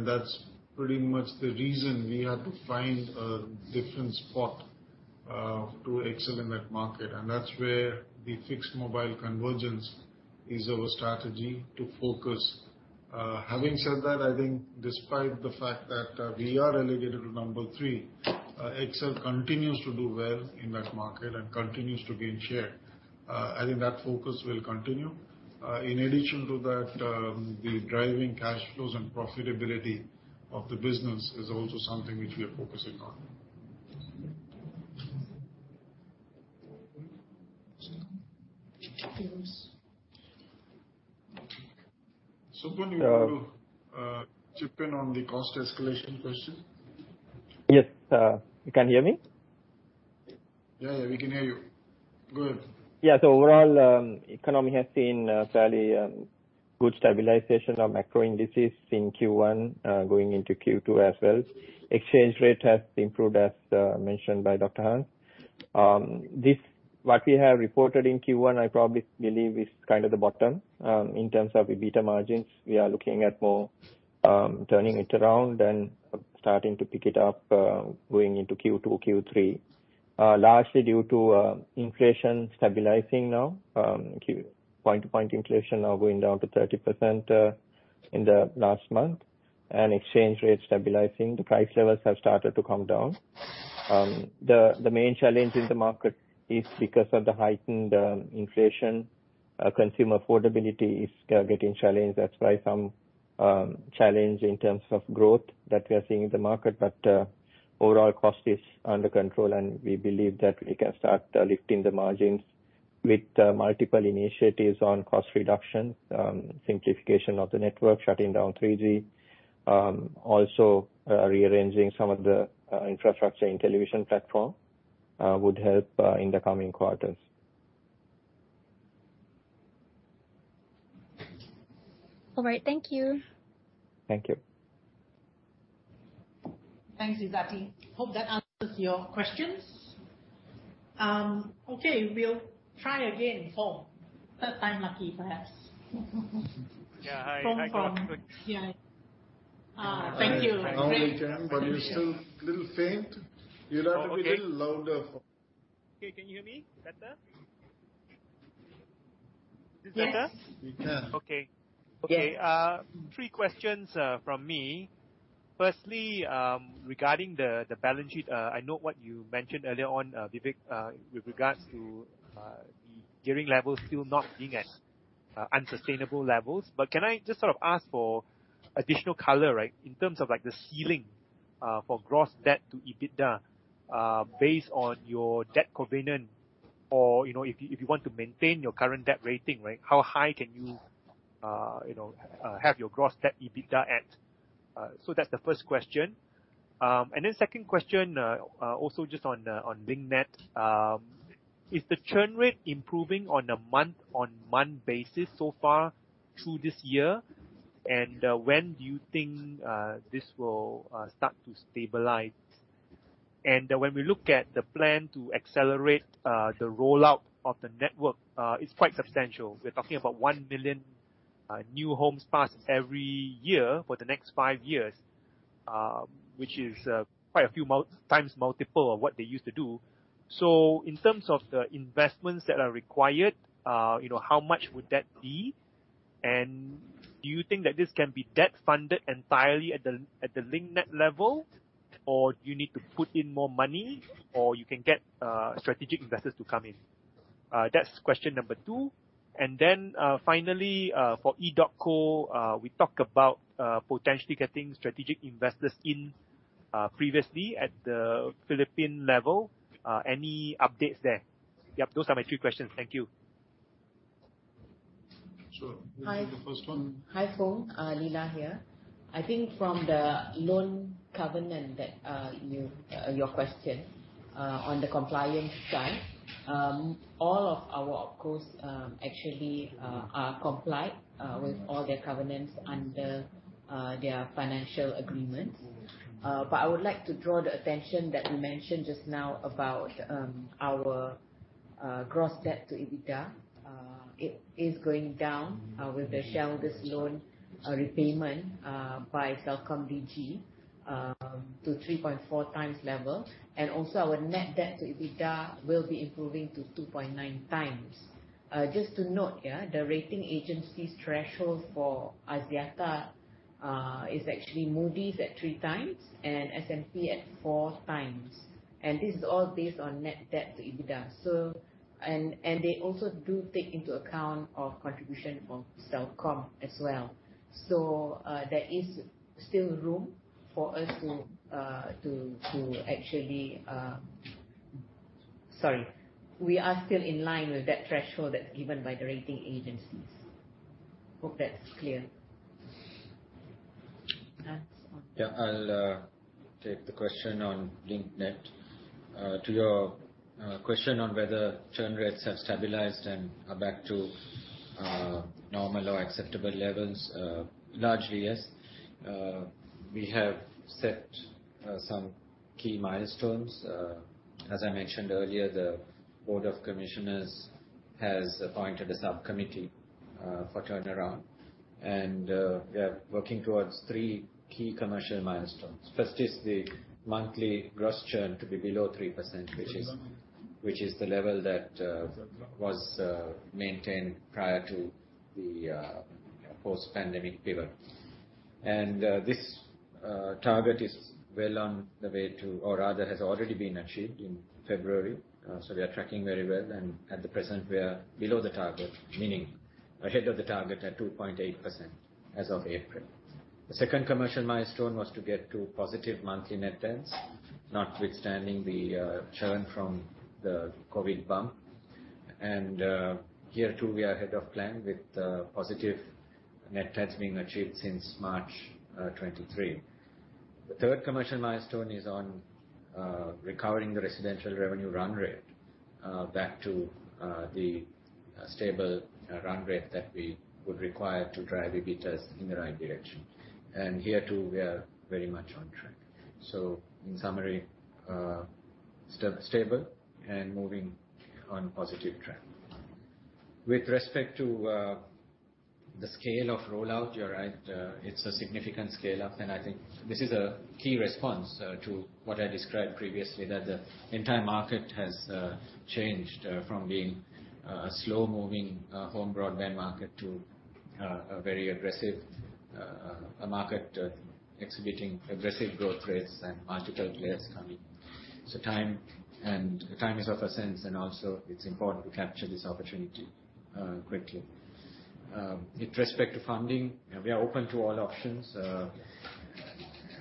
That's pretty much the reason we had to find a different spot to excel in that market, and that's where the Fixed-Mobile Convergence is our strategy to focus. Having said that, I think despite the fact that we are relegated to number three, XL continues to do well in that market and continues to gain share. I think that focus will continue. In addition to that, the driving cash flows and profitability of the business is also something which we are focusing on. Supun. Supun, do you want to chip in on the cost escalation question? Yes. You can hear me? Yeah, we can hear you. Go ahead. Yeah. Overall, economy has seen fairly good stabilization of macro indices in Q1, going into Q2 as well. Exchange rate has improved as mentioned by Dr Hans. This, what we have reported in Q1, I probably believe is kind of the bottom. In terms of EBITDA margins, we are looking at more turning it around and starting to pick it up, going into Q2, Q3. Largely due to inflation stabilizing now. Point to point inflation now going down to 30% in the last month. Exchange rate stabilizing, the price levels have started to come down. The main challenge in the market is because of the heightened inflation, consumer affordability is getting challenged. That's why some challenge in terms of growth that we are seeing in the market. Overall cost is under control, and we believe that we can start lifting the margins with multiple initiatives on cost reduction, simplification of the network, shutting down 3G, also rearranging some of the infrastructure in television platform would help in the coming quarters. All right. Thank you. Thank you. Thanks, Izzati. Hope that answers your questions. Okay, we'll try again, Foong. Third time lucky, perhaps. Yeah, hi. Foong. Yeah. Thank you. Now we can, but you're still a little faint. Oh, okay. You'll have to be a little louder, Foong. Okay. Can you hear me better? Is this better? Yes. We can. Okay. Yes. Okay. Three questions from me. Firstly, regarding the balance sheet, I know what you mentioned earlier on, Vivek, with regards to the gearing levels still not being at unsustainable levels. Can I just sort of ask for additional color, right, in terms of, like, the ceiling for gross debt to EBITDA, based on your debt covenant or, you know, if you, if you want to maintain your current debt rating, right, how high can you know, have your gross debt EBITDA at? That's the first question. Second question also just on LinkNet. Is the churn rate improving on a month-on-month basis so far through this year? When do you think this will start to stabilize? When we look at the plan to accelerate the rollout of the network, it's quite substantial. We're talking about 1 million new homes passed every year for the next five years, which is quite a few times multiple of what they used to do. In terms of the investments that are required, you know, how much would that be? Do you think that this can be debt funded entirely at the Link Net level, or do you need to put in more money or you can get strategic investors to come in? That's question number 2. Finally, for edotco, we talked about potentially getting strategic investors in previously at the Philippine level. Any updates there? Yep, those are my three questions. Thank you. Sure. Who'll take the first one? Hi. Hi, Foong. Leila here. I think from the loan covenant that your question on the compliance side, all of our OpCos actually are complied with all their covenants under their financial agreements. I would like to draw the attention that you mentioned just now about our gross debt to EBITDA. It is going down with the shell-less loan repayment by CelcomDigi to 3.4 times level. Also our net debt to EBITDA will be improving to 2.9 times. Just to note, the rating agency's threshold for Axiata is actually Moody's at 3 times and S&P at 4 times. This is all based on net debt to EBITDA. They also do take into account of contribution from Celcom as well. There is still room for us to actually, sorry. We are still in line with that threshold that's given by the rating agencies. Hope that's clear. Hans, on. Yeah. I'll take the question on Link Net. To your question on whether churn rates have stabilized and are back to normal or acceptable levels, largely, yes. We have set some key milestones. As I mentioned earlier, the board of commissioners has appointed a subcommittee for turnaround. We are working towards 3 key commercial milestones. First is the monthly gross churn to be below 3%, which is the level that was maintained prior to the post-pandemic pivot. This target is well on the way or rather has already been achieved in February. We are tracking very well. At the present, we are below the target, meaning ahead of the target at 2.8% as of April. The second commercial milestone was to get to positive monthly net adds, notwithstanding the churn from the COVID bump. Here too, we are ahead of plan with positive net adds being achieved since March 23. The third commercial milestone is on recovering the residential revenue run rate back to the stable run rate that we would require to drive EBITDAs in the right direction. Here, too, we are very much on track. In summary, stable and moving on positive track. With respect to the scale of rollout, you're right. It's a significant scale up. I think this is a key response to what I described previously, that the entire market has changed from being a slow-moving home broadband market to a very aggressive market exhibiting aggressive growth rates and multiple players coming. Time is of a essence, and also it's important to capture this opportunity quickly. With respect to funding, we are open to all options.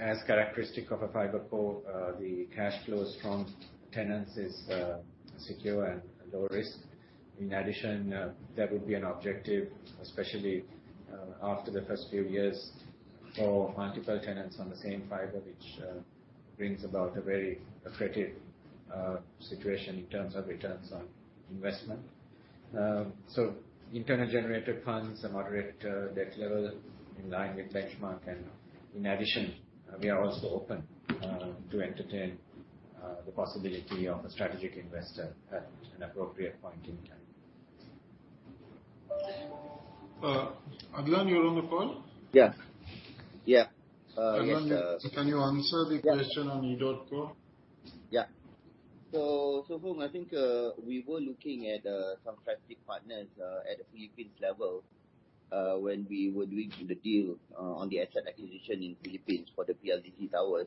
As characteristic of a FiberCo, the cash flow is strong, tenants is secure and low risk. In addition, that would be an objective, especially after the first few years for multiple tenants on the same fiber, which brings about a very accretive situation in terms of returns on investment. Internal generated funds, a moderate debt level in line with benchmark. In addition, we are also open to entertain the possibility of a strategic investor at an appropriate point in time. Adlan, you're on the call? Yes. Yeah. Yes. Adlan, can you answer the question on edotco? Yeah. So Foong, I think, we were looking at some strategic partners at the Philippines level when we were doing the deal on the asset acquisition in Philippines for the PLDT towers.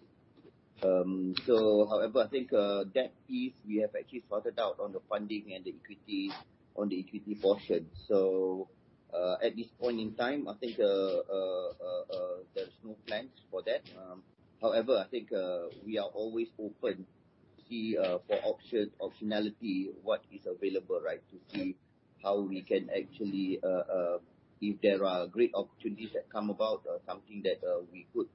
However, I think, that is we have actually sorted out on the funding and on the equity portion. At this point in time, I think, there's no plans for that. However, I think, we are always open to see for optionality what is available, right? To see how we can actually, if there are great opportunities that come about or something that we could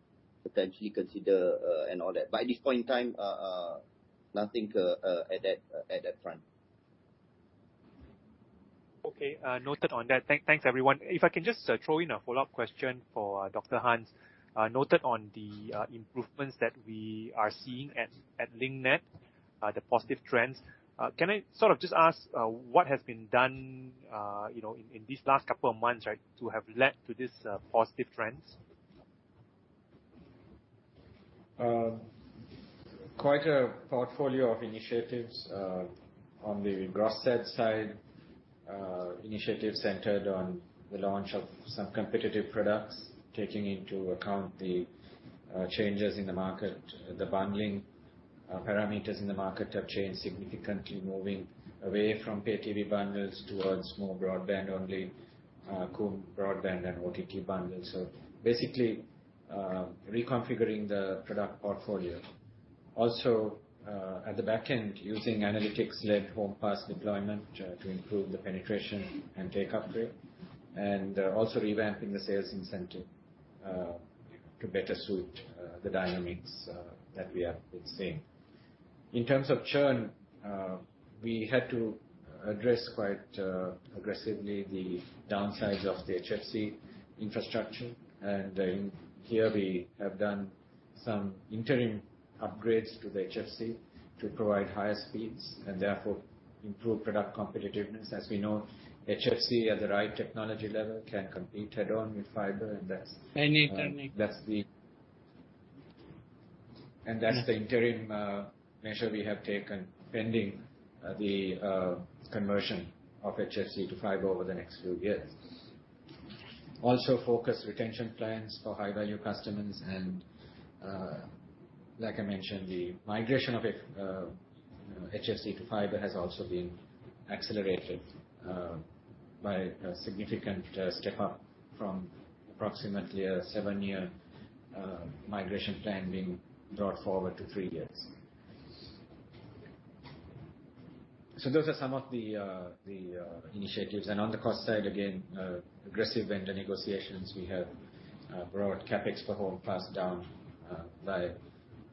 potentially consider, and all that. At this point in time, nothing at that front. Okay, noted on that. Thanks everyone. If I can just throw in a follow-up question for Dr. Hans. Noted on the improvements that we are seeing at Link Net, the positive trends. Can I sort of just ask what has been done, you know, in these last couple of months, right, to have led to this positive trends? Quite a portfolio of initiatives on the gross debt side. Initiatives centered on the launch of some competitive products, taking into account the changes in the market. The bundling parameters in the market have changed significantly, moving away from pay TV bundles towards more broadband only, combo broadband and OTT bundles. Basically, reconfiguring the product portfolio. Also, at the back end, using analytics-led home pass deployment to improve the penetration and take-up rate, and also revamping the sales incentive to better suit the dynamics that we have been seeing. In terms of churn, we had to address quite aggressively the downsides of the HFC infrastructure. Here we have done some interim upgrades to the HFC to provide higher speeds and therefore improve product competitiveness. As we know, HFC at the right technology level can compete head-on with fiber. I need. That's the interim measure we have taken pending the conversion of HFC to fiber over the next few years. Also, focus retention plans for high-value customers. Like I mentioned, the migration of HFC to fiber has also been accelerated by a significant step up from approximately a seven-year migration plan being brought forward to three years. Those are some of the initiatives. On the cost side, again, aggressive vendor negotiations. We have brought CapEx for home passed down by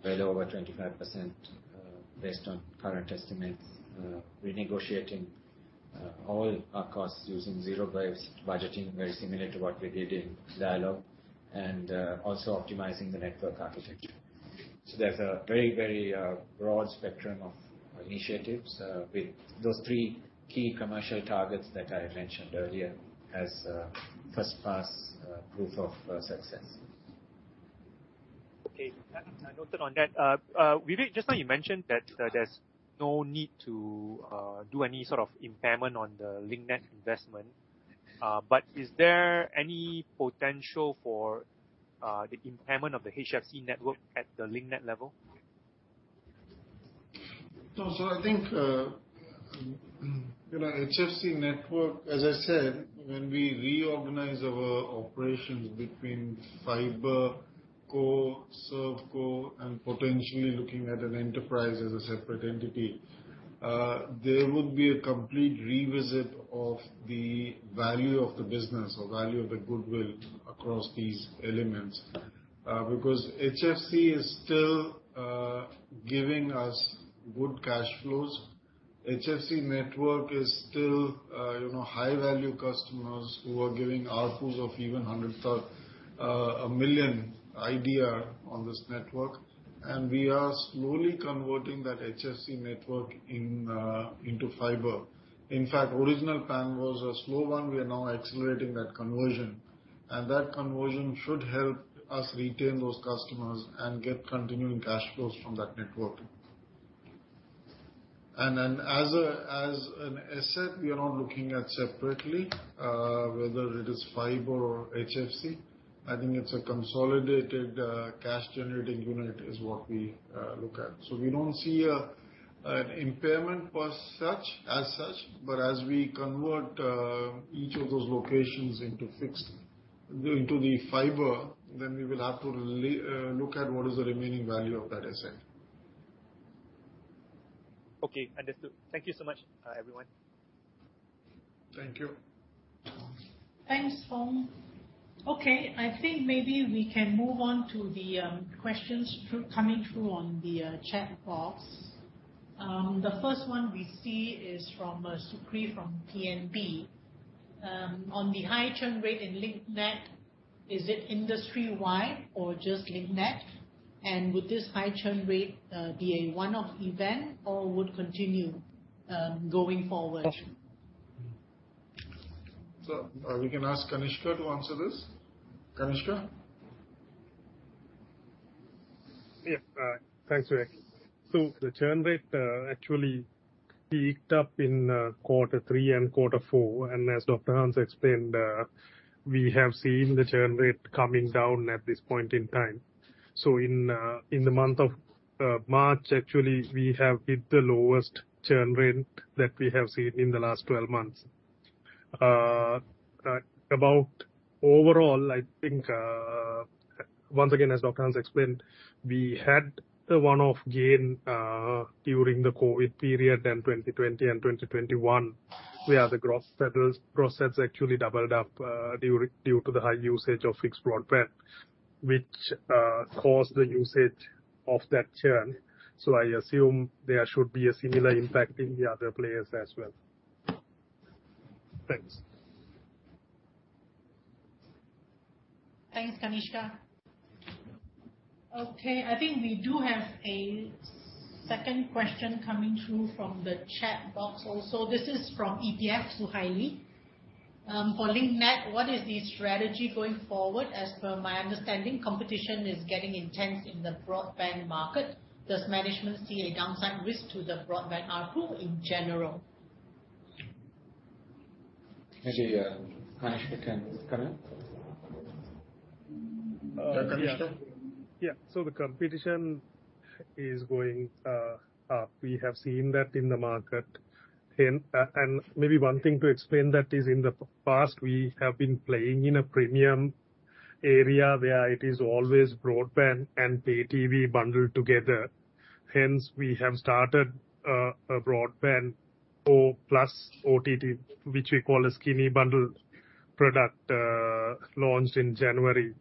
well over 25%, based on current estimates. Renegotiating all our costs using Zero-Based Budgeting, very similar to what we did in Dialog, also optimizing the network architecture. There's a very, very broad spectrum of initiatives, with those three key commercial targets that I mentioned earlier as a first pass, proof of success. Okay. Noted on that. Vivek, just now you mentioned that, there's no need to do any sort of impairment on the Link Net investment. Is there any potential for the impairment of the HFC network at the Link Net level? No. I think, you know, HFC network, as I said, when we reorganize our operations between fiber, core, serve core and potentially looking at an enterprise as a separate entity, there would be a complete revisit of the value of the business or value of the goodwill across these elements. Because HFC is still giving us good cash flows. HFC network is still, you know, high-value customers who are giving ARPU of even 1 million on this network, and we are slowly converting that HFC network into fiber. In fact, original plan was a slow one. We are now accelerating that conversion, and that conversion should help us retain those customers and get continuing cash flows from that network. As an asset, we are not looking at separately, whether it is fiber or HFC. I think it's a consolidated, cash generating unit is what we look at. We don't see an impairment per such, as such. As we convert each of those locations into the fiber, then we will have to look at what is the remaining value of that asset. Okay, understood. Thank you so much, everyone. Thank you. Thanks, Foong. Okay, I think maybe we can move on to the questions through, coming through on the chat box. The first one we see is from Supri from TNB. On the high churn rate in Link Net, is it industry-wide or just Link Net? Would this high churn rate be a one-off event or would continue going forward? We can ask Kanishka to answer this. Kanishka. Yeah. Thanks, Vivek. The churn rate actually peaked up in quarter three and quarter four, and as Dr. Hans explained, we have seen the churn rate coming down at this point in time. In the month of March, actually, we have hit the lowest churn rate that we have seen in the last 12 months. About overall, I think, once again, as Dr. Hans explained, we had a one-off gain during the COVID period in 2020 and 2021, where the gross settles, gross adds actually doubled up during, due to the high usage of fixed broadband, which caused the usage of that churn. I assume there should be a similar impact in the other players as well. Thanks. Thanks, Kanishka. I think we do have a second question coming through from the chat box also. This is from EPF, Suhaili. For Link Net, what is the strategy going forward? As per my understanding, competition is getting intense in the broadband market. Does management see a downside risk to the broadband ARPU in general? Maybe, Kanishka can comment. Kanishka. Yeah. The competition is going up. We have seen that in the market. Maybe one thing to explain that is in the past, we have been playing in a premium area where it is always broadband and pay TV bundled together. Hence, we have started a broadband or plus OTT, which we call a skinny bundle product, launched in January,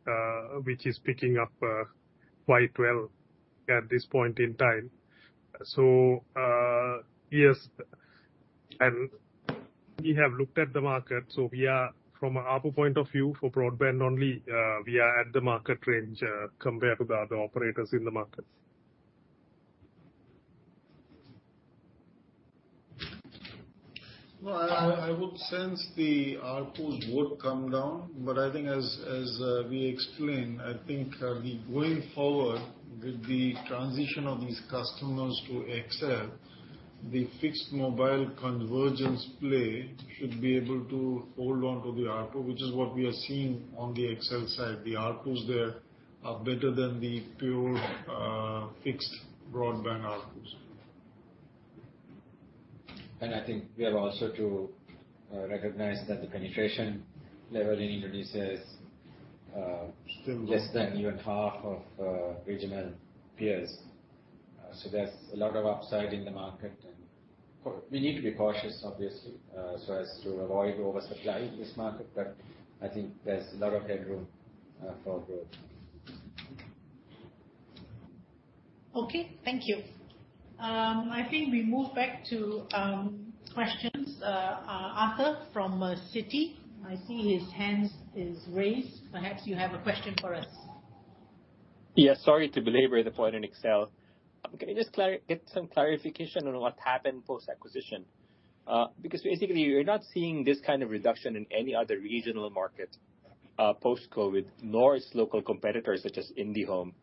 which is picking up quite well at this point in time. Yes, we have looked at the market, we are from ARPU point of view for broadband only, we are at the market range, compared to the other operators in the market. Well, I would sense the ARPUs would come down. I think as we explained, I think we going forward with the transition of these customers to XL, the Fixed-Mobile Convergence play should be able to hold on to the ARPU, which is what we are seeing on the XL side. The ARPUs there are better than the pure fixed broadband ARPUs. I think we have also to recognize that the penetration level in Indonesia. Still low.... less than even half of regional peers. There's a lot of upside in the market and we need to be cautious obviously, so as to avoid oversupplying this market, I think there's a lot of headroom for growth. Okay, thank you. I think we move back to questions, Arthur from Citi. I see his hands is raised. Perhaps you have a question for us. Yes. Sorry to belabor the point in Excel. Can we just get some clarification on what happened post-acquisition? Basically you're not seeing this kind of reduction in any other regional market post-COVID, nor its local competitors, such as IndiHome.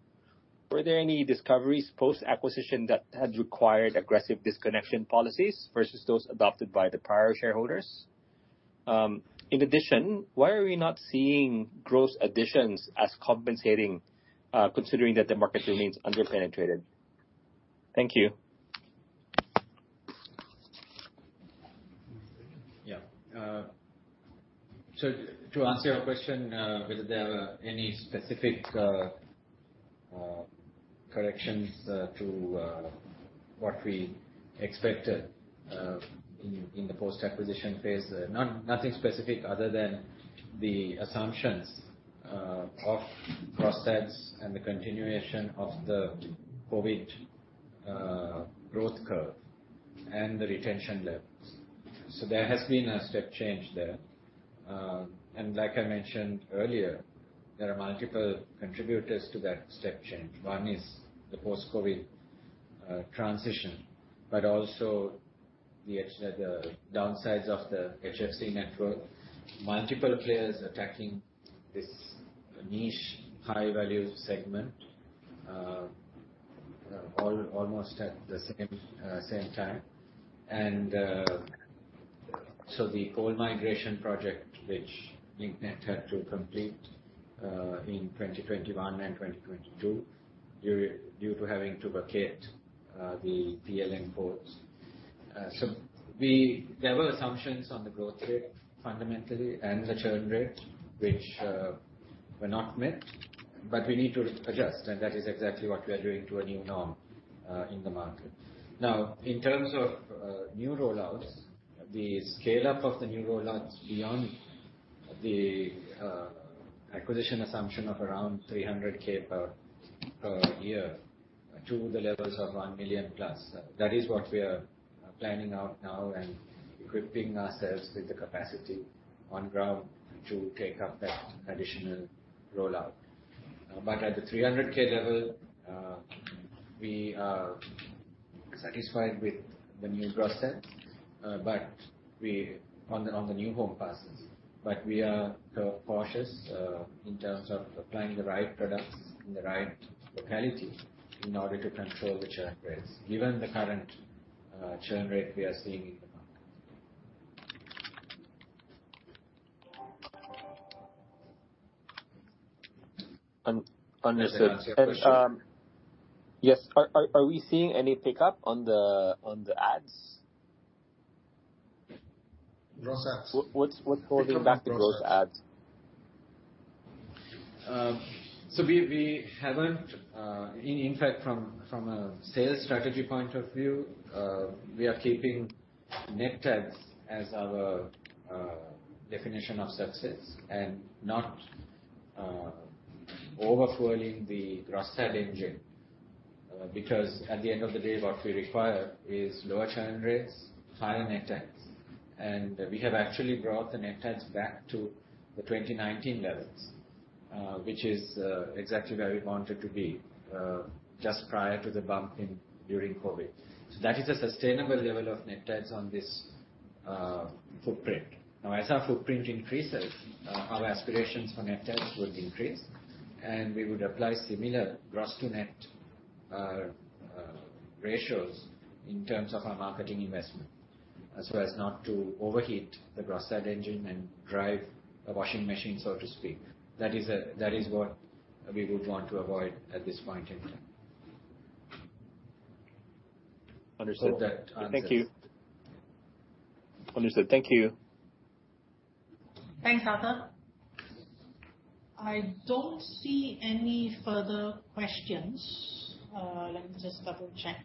Were there any discoveries post-acquisition that had required aggressive disconnection policies versus those adopted by the prior shareholders? In addition, why are we not seeing gross additions as compensating, considering that the market remains under-penetrated? Thank you. One second. Yeah. so to answer your question, whether there were any specific corrections, to what we expected, in, in the post-acquisition phase. none, nothing specific other than the assumptions, of cross sells and the continuation of the COVID, growth curve and the retention levels. So there has been a step change there. Um, and like I mentioned earlier, there are multiple contributors to that step change. One is the post-COVID, transition, but also the exite-- the downsides of the HFC network. Multiple players attacking this niche high value segment, all, almost at the same, same time. So the whole migration project, which Link Net had to complete, in 2021 and 2022, due to having to vacate the PLN poles. So there were assumptions on the growth rate fundamentally and the churn rate, which were not met, but we need to adjust, and that is exactly what we are doing to a new norm in the market. In terms of new rollouts, the scale-up of the new rollouts beyond the acquisition assumption of around 300K per year to the levels of 1+ million, that is what we are planning out now and equipping ourselves with the capacity on ground to take up that additional rollout. But at the 300K level, we are satisfied with the new gross add, but we on the new home passes. We are cautious in terms of applying the right products in the right locality in order to control the churn rates, given the current churn rate we are seeing in the market. Understood. Can I ask a question? Yes. Are we seeing any pickup on the ads? Gross adds. What's holding back the gross ads? We haven't in fact from a sales strategy point of view, we are keeping net adds as our definition of success and not over-fueling the gross add engine. Because at the end of the day, what we require is lower churn rates, higher net adds. We have actually brought the net adds back to the 2019 levels, which is exactly where we wanted to be just prior to the bump in during COVID. That is a sustainable level of net adds on this footprint. Now, as our footprint increases, our aspirations for net adds will increase, and we would apply similar gross to net ratios in terms of our marketing investment, as well as not to overheat the gross add engine and drive a washing machine, so to speak. That is what we would want to avoid at this point in time. Understood. Hope that answers. Thank you. Understood. Thank you. Thanks, Arthur. I don't see any further questions. Let me just double-check.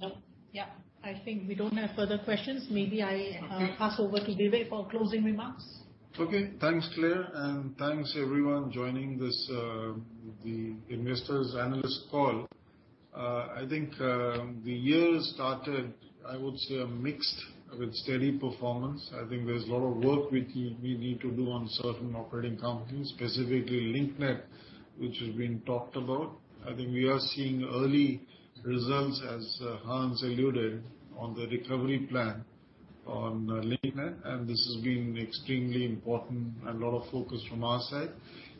No. Yeah. I think we don't have further questions. Okay., pass over to Vivek for closing remarks. Okay. Thanks, Clare, and thanks everyone joining this, the investors analyst call. I think, the year started, I would say, a mixed with steady performance. I think there's a lot of work we need to do on certain operating companies, specifically Link Net, which has been talked about. I think we are seeing early results, as Hans alluded on the recovery plan on Link Net, and this has been extremely important and a lot of focus from our side.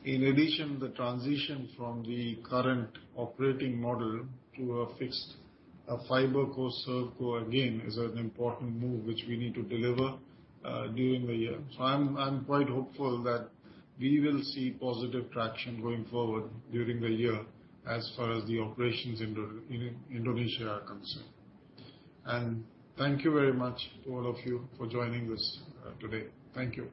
In addition, the transition from the current operating model to a fixed FiberCo ServeCo, again, is an important move which we need to deliver during the year. I'm quite hopeful that we will see positive traction going forward during the year as far as the operations in Indonesia are concerned. Thank you very much, all of you, for joining us today. Thank you.